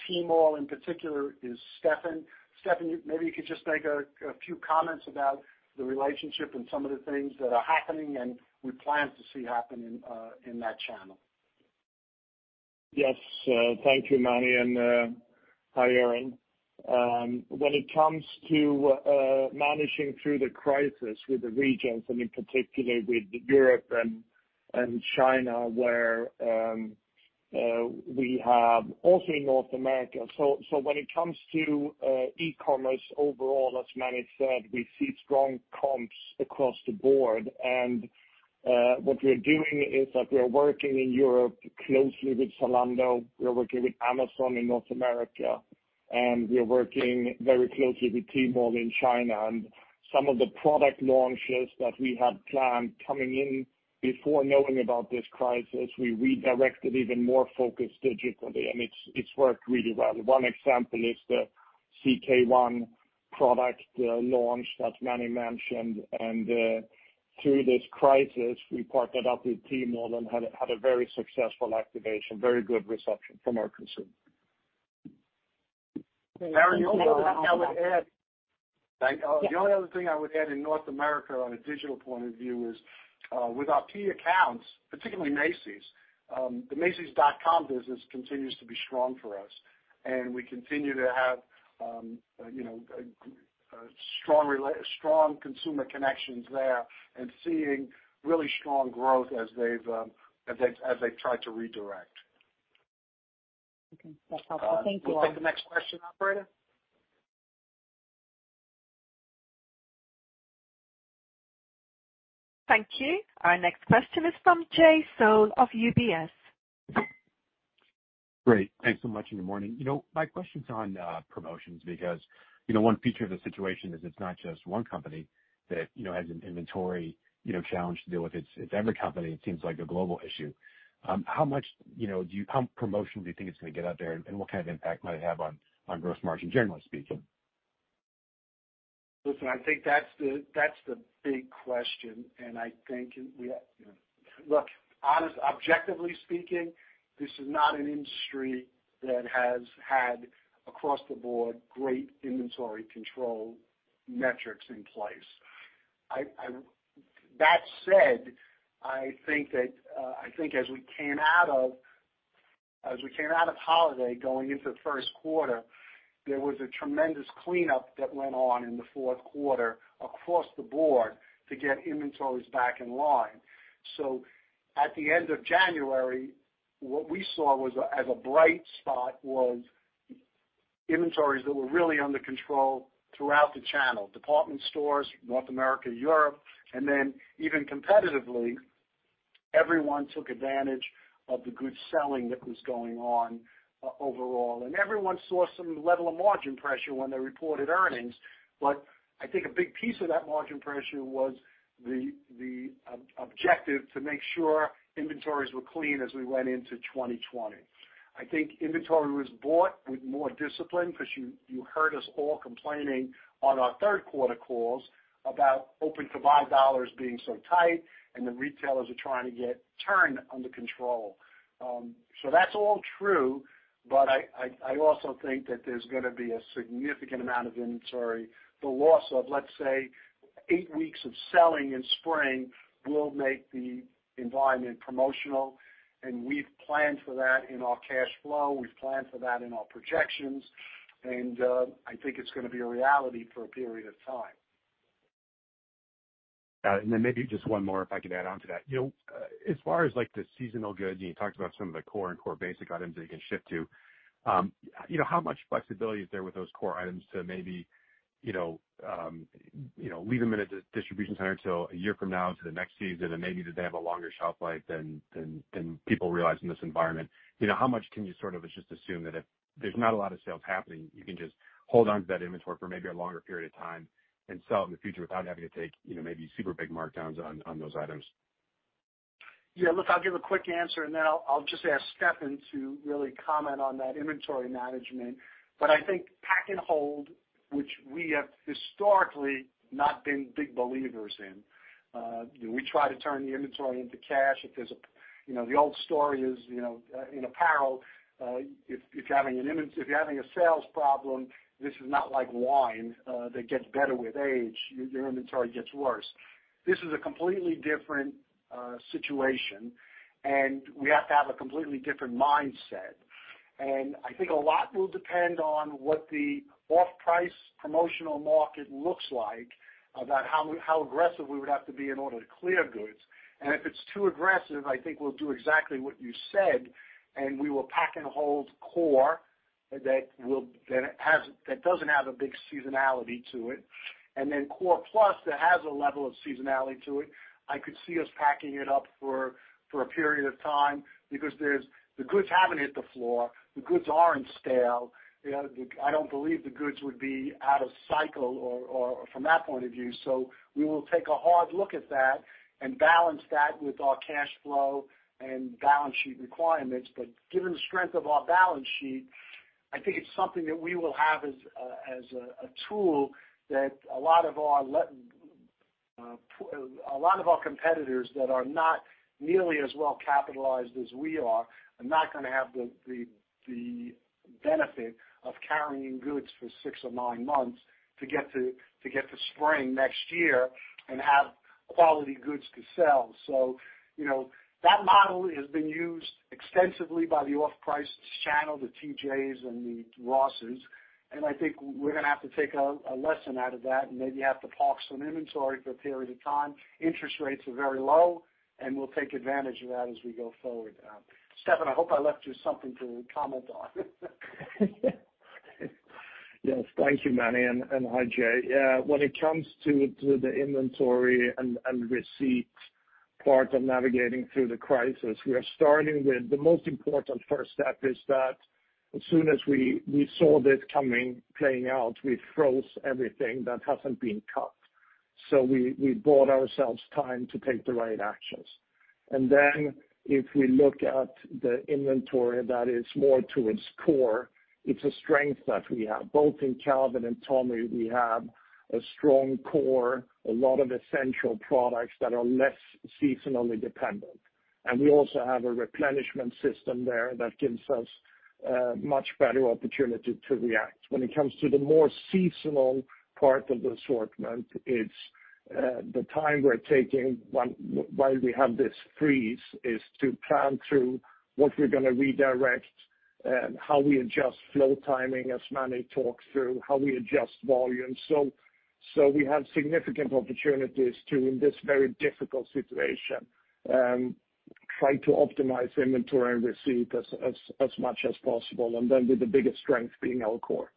Speaker 2: Tmall in particular is Stefan. Stefan, maybe you could just make a few comments about the relationship and some of the things that are happening and we plan to see happen in that channel.
Speaker 6: Yes. Thank you, Manny, and hi, Erinn. When it comes to managing through the crisis with the regions, and in particular with Europe and China, also in North America. When it comes to e-commerce overall, as Manny said, we see strong comps across the board. What we're doing is that we're working in Europe closely with Zalando, we're working with Amazon in North America, and we're working very closely with Tmall in China. Some of the product launches that we had planned coming in before knowing about this crisis, we redirected even more focus digitally, and it's worked really well. One example is the CK One product launch that Manny mentioned. Through this crisis, we partnered up with Tmall and had a very successful activation, very good reception from our consumers.
Speaker 2: Erinn, *crosstalk* the only other thing I would add in North America on a digital point of view is with our key accounts, particularly Macy's. The macys.com business continues to be strong for us, and we continue to have strong consumer connections there and seeing really strong growth as they've tried to redirect. Okay. That's helpful. Thank you all. We'll take the next question, operator.
Speaker 4: Thank you. Our next question is from Jay Sole of UBS.
Speaker 8: Great. Thanks so much, and good morning. My question's on promotions because one feature of the situation is it's not just one company that has an inventory challenge to deal with. It's every company. It seems like a global issue. How much promotions do you think it's going to get out there, and what kind of impact might it have on gross margin, generally speaking?
Speaker 2: Listen, I think that's the big question. Look, objectively speaking, this is not an industry that has had, across the board, great inventory control metrics in place. That said, I think as we came out of holiday going into the first quarter, there was a tremendous cleanup that went on in the fourth quarter across the board to get inventories back in line. At the end of January, what we saw as a bright spot was inventories that were really under control throughout the channel. Department stores, North America, Europe, and even competitively, everyone took advantage of the good selling that was going on overall. Everyone saw some level of margin pressure when they reported earnings. I think a big piece of that margin pressure was the objective to make sure inventories were clean as we went into 2020. I think inventory was bought with more discipline because you heard us all complaining on our third quarter calls about open-to-buy dollars being so tight and the retailers are trying to get turn under control. That's all true, but I also think that there's going to be a significant amount of inventory. The loss of, let's say, eight weeks of selling in spring will make the environment promotional, and we've planned for that in our cash flow, we've planned for that in our projections, and I think it's going to be a reality for a period of time.
Speaker 8: Maybe just one more, if I could add on to that. As far as the seasonal goods, you talked about some of the core and core basic items that you can shift to. How much flexibility is there with those core items to maybe leave them in a distribution center until a year from now into the next season, and maybe that they have a longer shelf life than people realize in this environment? How much can you sort of just assume that if there's not a lot of sales happening, you can just hold on to that inventory for maybe a longer period of time and sell it in the future without having to take maybe super big markdowns on those items?
Speaker 2: Yeah. Look, I'll give a quick answer, and then I'll just ask Stefan to really comment on that inventory management. I think pack and hold, which we have historically not been big believers in. We try to turn the inventory into cash. The old story is, in apparel, if you're having a sales problem, this is not like wine that gets better with age. Your inventory gets worse. This is a completely different situation, and we have to have a completely different mindset. I think a lot will depend on what the off-price promotional market looks like about how aggressive we would have to be in order to clear goods. If it's too aggressive, I think we'll do exactly what you said, and we will pack and hold core that doesn't have a big seasonality to it. Core plus, that has a level of seasonality to it, I could see us packing it up for a period of time because the goods haven't hit the floor. The goods aren't stale. I don't believe the goods would be out of cycle or from that point of view. We will take a hard look at that and balance that with our cash flow and balance sheet requirements. Given the strength of our balance sheet, I think it's something that we will have as a tool that a lot of our competitors that are not nearly as well capitalized as we are not going to have the benefit of carrying goods for six or nine months to get to spring next year and have quality goods to sell. That model has been used extensively by the off-price channel, the TJX and the Rosses. I think we're going to have to take a lesson out of that and maybe have to park some inventory for a period of time. Interest rates are very low, and we'll take advantage of that as we go forward. Stefan, I hope I left you something to comment on.
Speaker 6: Yes. Thank you, Manny, and hi, Jay. When it comes to the inventory and receipt part of navigating through the crisis, we are starting with the most important first step is that as soon as we saw this coming, playing out, we froze everything that hasn't been cut. We bought ourselves time to take the right actions. If we look at the inventory that is more towards core, it's a strength that we have. Both in Calvin and Tommy, we have a strong core, a lot of essential products that are less seasonally dependent. We also have a replenishment system there that gives us a much better opportunity to react. When it comes to the more seasonal part of the assortment, it's the time we're taking while we have this freeze is to plan through what we're going to redirect, how we adjust flow timing, as Manny talked through, how we adjust volume. We have significant opportunities to, in this very difficult situation, try to optimize inventory and receipt as much as possible, and then with the biggest strength being our core.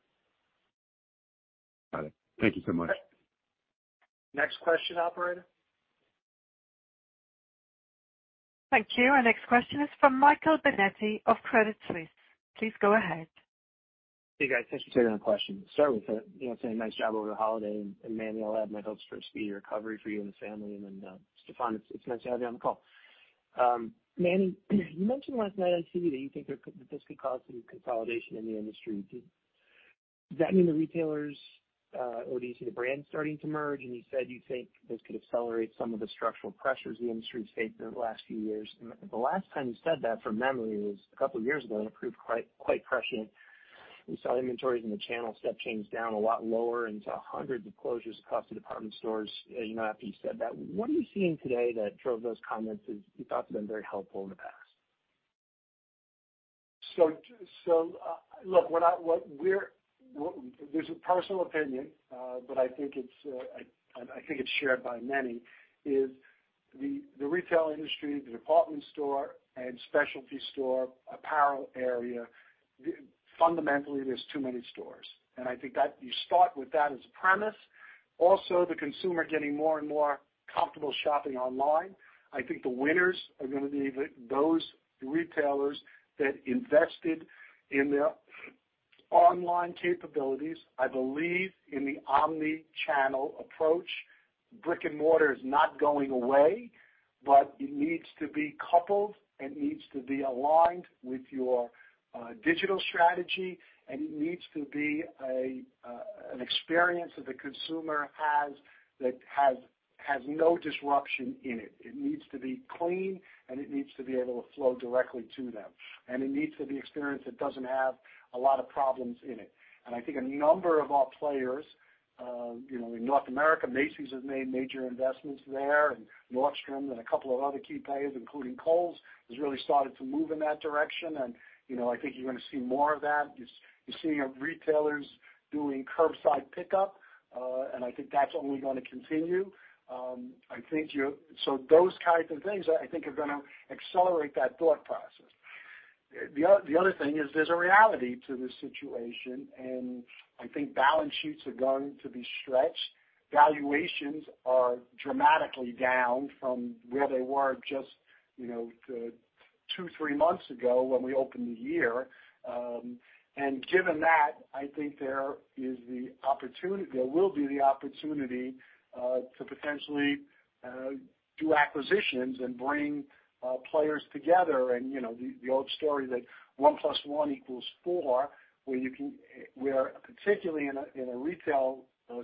Speaker 8: Got it. Thank you so much.
Speaker 2: Next question, operator.
Speaker 4: Thank you. Our next question is from Michael Binetti of Credit Suisse. Please go ahead.
Speaker 9: Hey, guys. Thanks for taking my question. Start with saying nice job over the holiday. Manny, I'll add my hopes for a speedy recovery for you and the family. Stefan, it's nice to have you on the call. Manny, you mentioned last night on TV that you think that this could cause some consolidation in the industry. Does that mean the retailers or do you see the brands starting to merge? You said you think this could accelerate some of the structural pressures the industry has faced over the last few years. The last time you said that, from memory, was a couple of years ago, and it proved quite prescient. We saw inventories in the channel step change down a lot lower and saw hundreds of closures across the department stores after you said that. What are you seeing today that drove those comments that you thought had been very helpful in the past?
Speaker 2: Look, this is a personal opinion, but I think it's shared by many, is the retail industry, the department store, and specialty store apparel area, fundamentally, there's too many stores. I think you start with that as a premise. Also, the consumer getting more and more comfortable shopping online. I think the winners are going to be those retailers that invested in their online capabilities. I believe in the omni-channel approach. Brick and mortar is not going away, but it needs to be coupled and needs to be aligned with your digital strategy, and it needs to be an experience that the consumer has that has no disruption in it. It needs to be clean, and it needs to be able to flow directly to them. It needs to be an experience that doesn't have a lot of problems in it. I think a number of our players, in North America, Macy's has made major investments there, Nordstrom and a couple of other key players, including Kohl's, has really started to move in that direction. I think you're going to see more of that. You're seeing retailers doing curbside pickup, and I think that's only going to continue. Those kinds of things, I think, are going to accelerate that thought process. The other thing is there's a reality to this situation, and I think balance sheets are going to be stretched. Valuations are dramatically down from where they were just two-three months ago when we opened the year. Given that, I think there will be the opportunity to potentially do acquisitions and bring players together. The old story that one plus one equals four, where particularly in a retail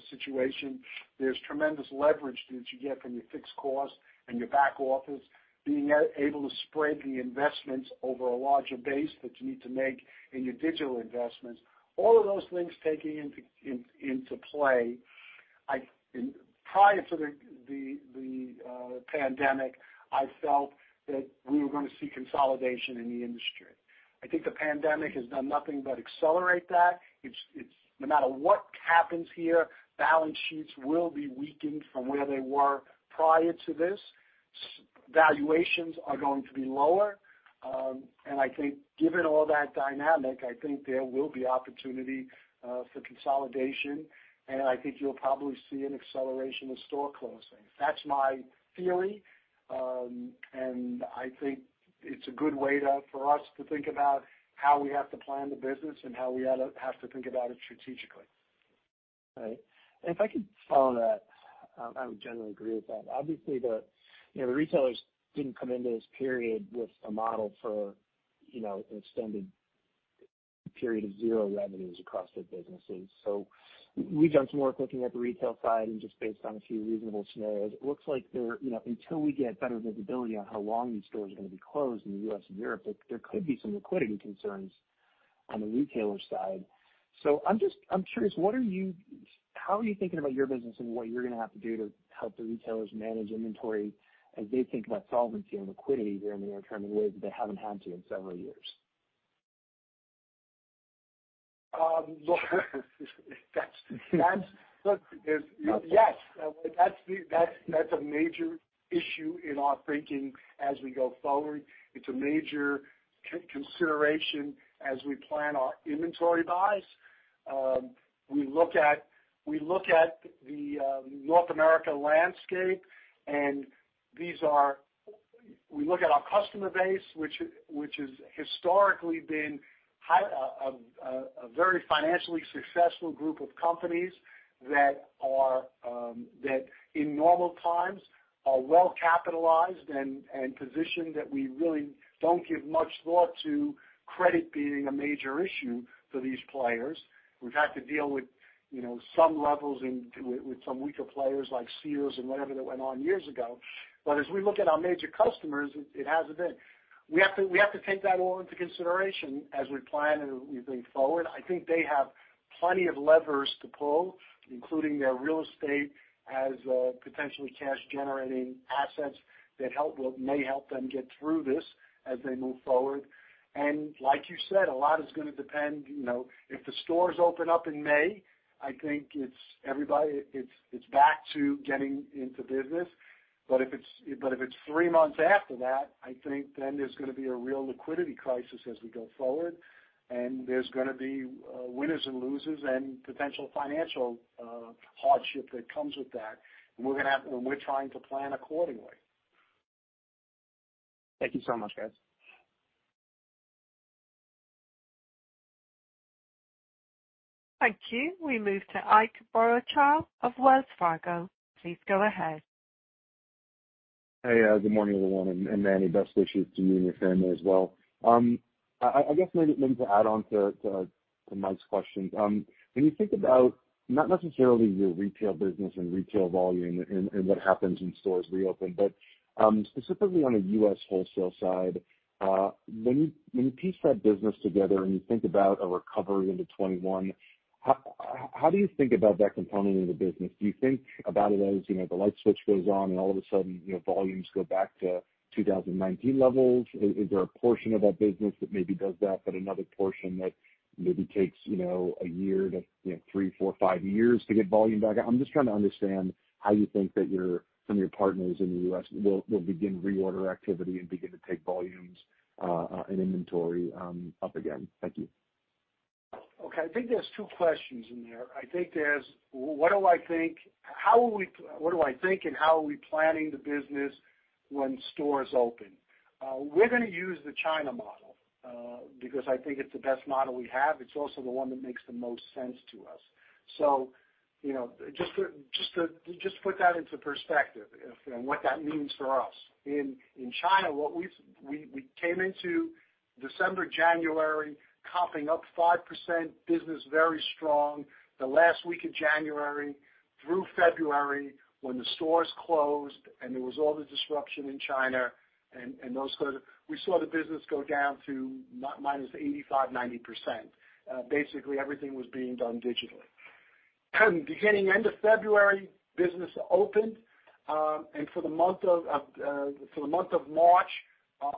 Speaker 2: situation, there's tremendous leverage that you get from your fixed cost and your back office being able to spread the investments over a larger base that you need to make in your digital investments. All of those things taking into play, prior to the pandemic, I felt that we were going to see consolidation in the industry. I think the pandemic has done nothing but accelerate that. No matter what happens here, balance sheets will be weakened from where they were prior to this. Valuations are going to be lower. I think given all that dynamic, I think there will be opportunity for consolidation, and I think you'll probably see an acceleration of store closings. That's my theory, and I think it's a good way for us to think about how we have to plan the business and how we have to think about it strategically.
Speaker 9: Right. If I could follow that, I would generally agree with that. Obviously, the retailers didn't come into this period with a model for an extended period of zero revenues across their businesses. We've done some work looking at the retail side, and just based on a few reasonable scenarios, it looks like until we get better visibility on how long these stores are going to be closed in the U.S. and Europe, there could be some liquidity concerns on the retailer side. I'm curious, how are you thinking about your business and what you're going to have to do to help the retailers manage inventory as they think about solvency and liquidity during their term in ways that they haven't had to in several years?
Speaker 2: Yes, that's a major issue in our thinking as we go forward. It's a major consideration as we plan our inventory buys. We look at the North America landscape, we look at our customer base, which has historically been a very financially successful group of companies that, in normal times, are well-capitalized and positioned that we really don't give much thought to credit being a major issue for these players. We've had to deal with some levels with some weaker players like Sears and whatever that went on years ago. As we look at our major customers, it hasn't been. We have to take that all into consideration as we plan and we think forward. I think they have plenty of levers to pull, including their real estate as potentially cash-generating assets that may help them get through this as they move forward. Like you said, a lot is going to depend. If the stores open up in May, I think it's back to getting into business. If it's three months after that, I think then there's going to be a real liquidity crisis as we go forward, and there's going to be winners and losers and potential financial hardship that comes with that. We're trying to plan accordingly.
Speaker 9: Thank you so much, guys.
Speaker 4: Thank you. We move to Ike Boruchow of Wells Fargo. Please go ahead.
Speaker 10: Hey. Good morning, everyone, and Manny, best wishes to you and your family as well. I guess maybe to add on to Mike's questions. When you think about not necessarily your retail business and retail volume and what happens when stores reopen, but specifically on the U.S. wholesale side, when you piece that business together and you think about a recovery into 2021, how do you think about that component of the business? Do you think about it as the light switch goes on and all of a sudden, volumes go back to 2019 levels? Is there a portion of that business that maybe does that, but another portion that maybe takes a year to three, four, five years to get volume back? I'm just trying to understand how you think that some of your partners in the U.S. will begin reorder activity and begin to take volumes and inventory up again. Thank you.
Speaker 2: Okay. I think there's two questions in there. I think there's, what do I think and how are we planning the business when stores open? We're going to use the China model, because I think it's the best model we have. It's also the one that makes the most sense to us. Just to put that into perspective and what that means for us. In China, we came into December, January, comping up 5%, business very strong. The last week of January through February, when the stores closed and there was all the disruption in China. We saw the business go down to -85%, 90%. Basically, everything was being done digitally. Beginning end of February, business opened. For the month of March,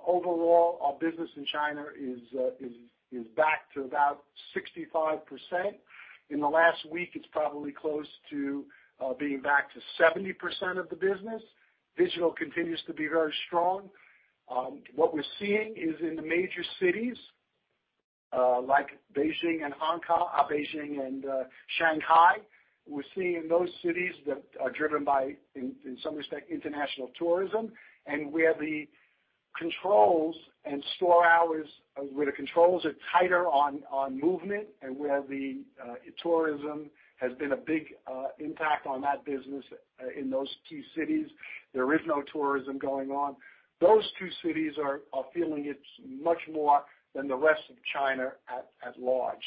Speaker 2: overall, our business in China is back to about 65%. In the last week, it's probably close to being back to 70% of the business. Digital continues to be very strong. What we're seeing is in the major cities, like Beijing and Shanghai. We're seeing those cities that are driven by, in some respect, international tourism, and where the controls are tighter on movement and where the tourism has been a big impact on that business in those two cities. There is no tourism going on. Those two cities are feeling it much more than the rest of China at large.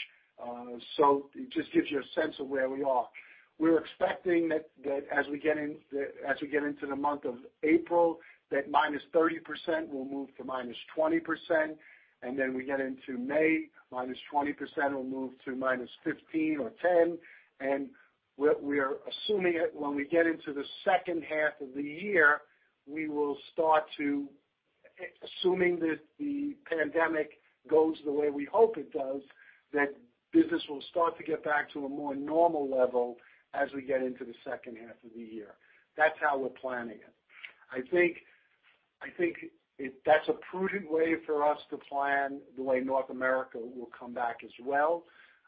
Speaker 2: It just gives you a sense of where we are. We're expecting that as we get into the month of April, that -30% will move to -20%, and then we get into May, -20% will move to -15% or -10%. We are assuming when we get into the second half of the year, we will start to, assuming that the pandemic goes the way we hope it does, that business will start to get back to a more normal level as we get into the second half of the year. That's how we're planning it. I think that's a prudent way for us to plan the way North America will come back as well.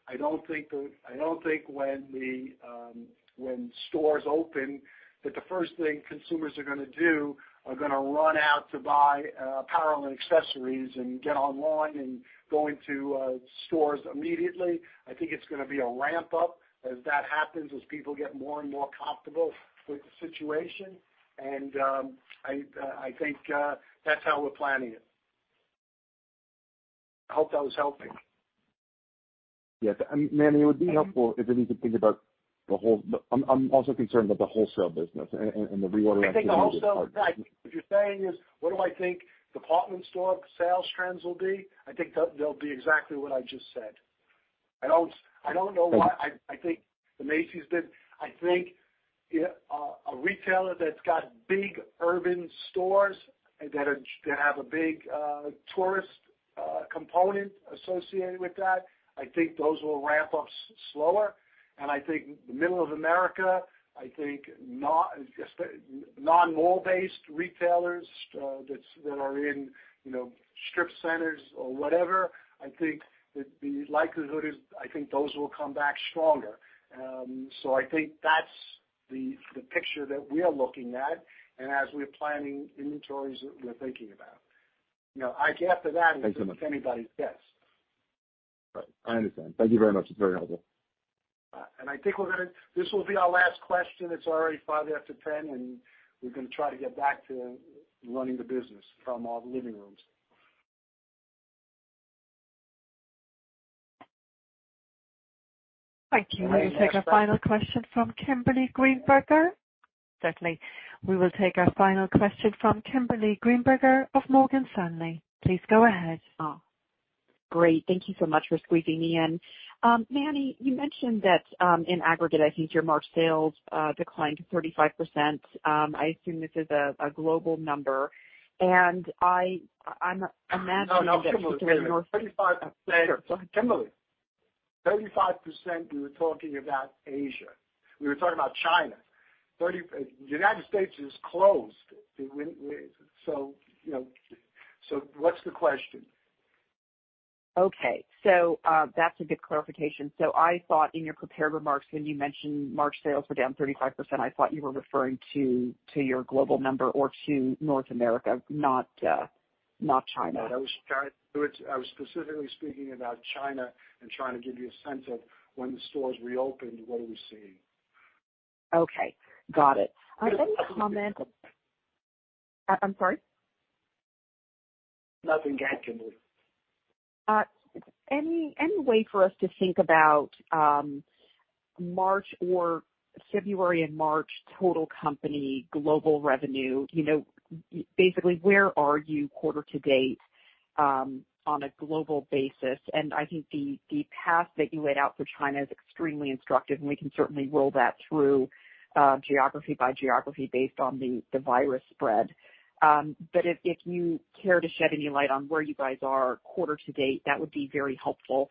Speaker 2: I don't think when stores open, that the first thing consumers are going to do are going to run out to buy apparel and accessories and get online and go into stores immediately. I think it's going to be a ramp-up as that happens, as people get more and more comfortable with the situation. I think that's how we're planning it. I hope that was helping.
Speaker 10: Yes. Manny, it would be helpful if we could think about the whole. I'm also concerned about the wholesale business and the reorder.
Speaker 2: If what you're saying is, what do I think department store sales trends will be? I think they'll be exactly what I just said. I don't know why. I think the Macy's did. I think a retailer that's got big urban stores that have a big tourist component associated with that, I think those will ramp up slower. I think the middle of America, I think non-mall-based retailers that are in strip centers or whatever, I think the likelihood is those will come back stronger. I think that's the picture that we are looking at and as we're planning inventories that we're thinking about. After that, it's anybody's guess.
Speaker 10: Right. I understand. Thank you very much. It's very helpful.
Speaker 2: I think this will be our last question. It's already five after 10:00, we're going to try to get back to running the business from our living rooms.
Speaker 4: Thank you. We will take our final question from Kimberly Greenberger. Certainly. We will take our final question from Kimberly Greenberger of Morgan Stanley. Please go ahead.
Speaker 11: Great. Thank you so much for squeezing me in. Manny, you mentioned that in aggregate, I think your March sales declined 35%. I assume this is a global number, and I'm imagining that.
Speaker 2: No, Kimberly. 35% we were talking about Asia. We were talking about China. United States is closed. What's the question?
Speaker 11: Okay. That's a good clarification. I thought in your prepared remarks when you mentioned March sales were down 35%, I thought you were referring to your global number or to North America, not China.
Speaker 2: No, I was specifically speaking about China and trying to give you a sense of when the stores reopened, what are we seeing.
Speaker 11: Okay. Got it. I'm sorry?
Speaker 2: Nothing yet, Kimberly.
Speaker 11: Any way for us to think about March or February and March total company global revenue? Basically, where are you quarter to date on a global basis? I think the path that you laid out for China is extremely instructive, and we can certainly roll that through geography by geography based on the virus spread. If you care to shed any light on where you guys are quarter to date, that would be very helpful.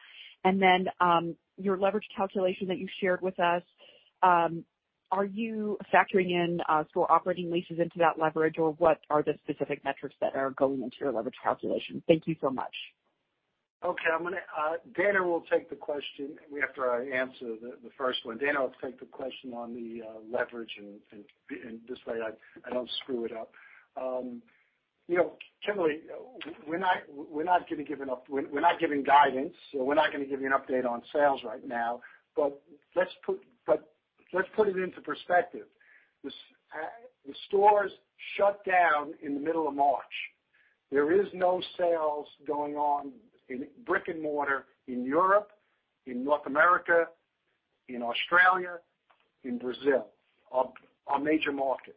Speaker 11: Your leverage calculation that you shared with us? Are you factoring in store operating leases into that leverage? What are the specific metrics that are going into your leverage calculation? Thank you so much.
Speaker 2: Okay. Dana will take the question after I answer the first one. Dana will take the question on the leverage and this way I don't screw it up. Kimberly, we're not giving guidance, we're not going to give you an update on sales right now. Let's put it into perspective. The stores shut down in the middle of March. There is no sales going on in brick and mortar in Europe, in North America, in Australia, in Brazil, our major markets.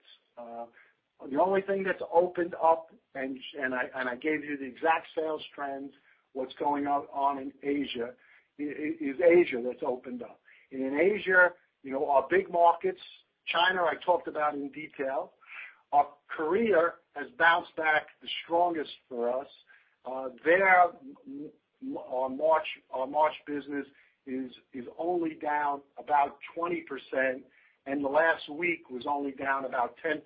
Speaker 2: The only thing that's opened up, and I gave you the exact sales trends, what's going on in Asia, is Asia that's opened up. In Asia, our big markets, China I talked about in detail. Korea has bounced back the strongest for us. There, our March business is only down about 20%, and the last week was only down about 10%.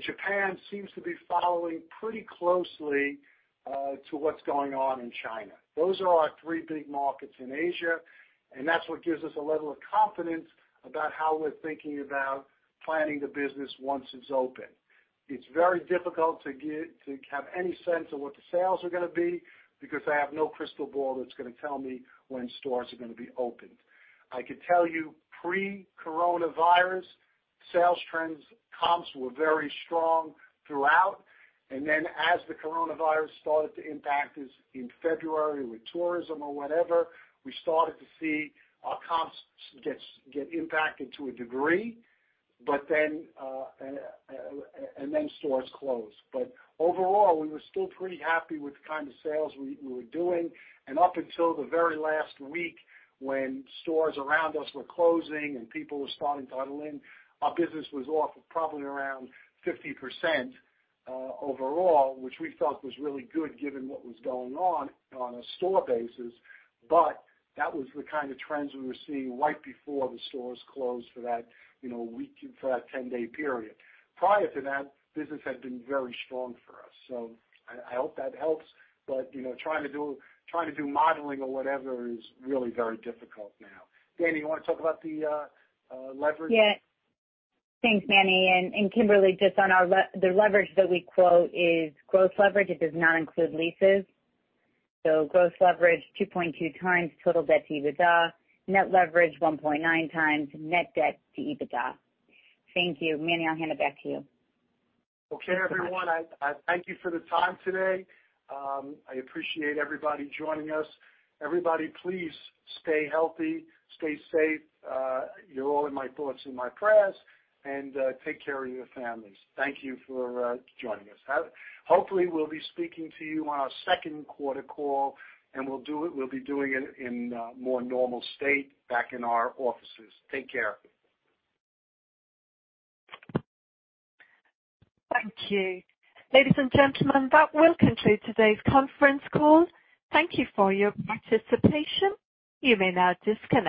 Speaker 2: Japan seems to be following pretty closely to what's going on in China. Those are our three big markets in Asia, that's what gives us a level of confidence about how we're thinking about planning the business once it's open. It's very difficult to have any sense of what the sales are going to be, because I have no crystal ball that's going to tell me when stores are going to be opened. I could tell you pre-coronavirus, sales trends comps were very strong throughout. As the coronavirus started to impact us in February with tourism or whatever, we started to see our comps get impacted to a degree. Stores closed. Overall, we were still pretty happy with the kind of sales we were doing. Up until the very last week when stores around us were closing and people were starting to huddle in, our business was off probably around 50% overall, which we felt was really good given what was going on a store basis. That was the kind of trends we were seeing right before the stores closed for that 10-day period. Prior to that, business had been very strong for us. I hope that helps. Trying to do modeling or whatever is really very difficult now. Dana, you want to talk about the leverage?
Speaker 1: Thanks, Manny. Kimberly, just on the leverage that we quote is gross leverage. It does not include leases. Gross leverage 2.2x total debt to EBITDA. Net leverage 1.9x net debt to EBITDA. Thank you. Manny, I'll hand it back to you.
Speaker 2: Okay, everyone, I thank you for the time today. I appreciate everybody joining us. Everybody, please stay healthy, stay safe. You're all in my thoughts and my prayers, and take care of your families. Thank you for joining us. Hopefully, we'll be speaking to you on our second quarter call, and we'll be doing it in a more normal state back in our offices. Take care.
Speaker 4: Thank you. Ladies and gentlemen, that will conclude today's conference call. Thank you for your participation. You may now disconnect.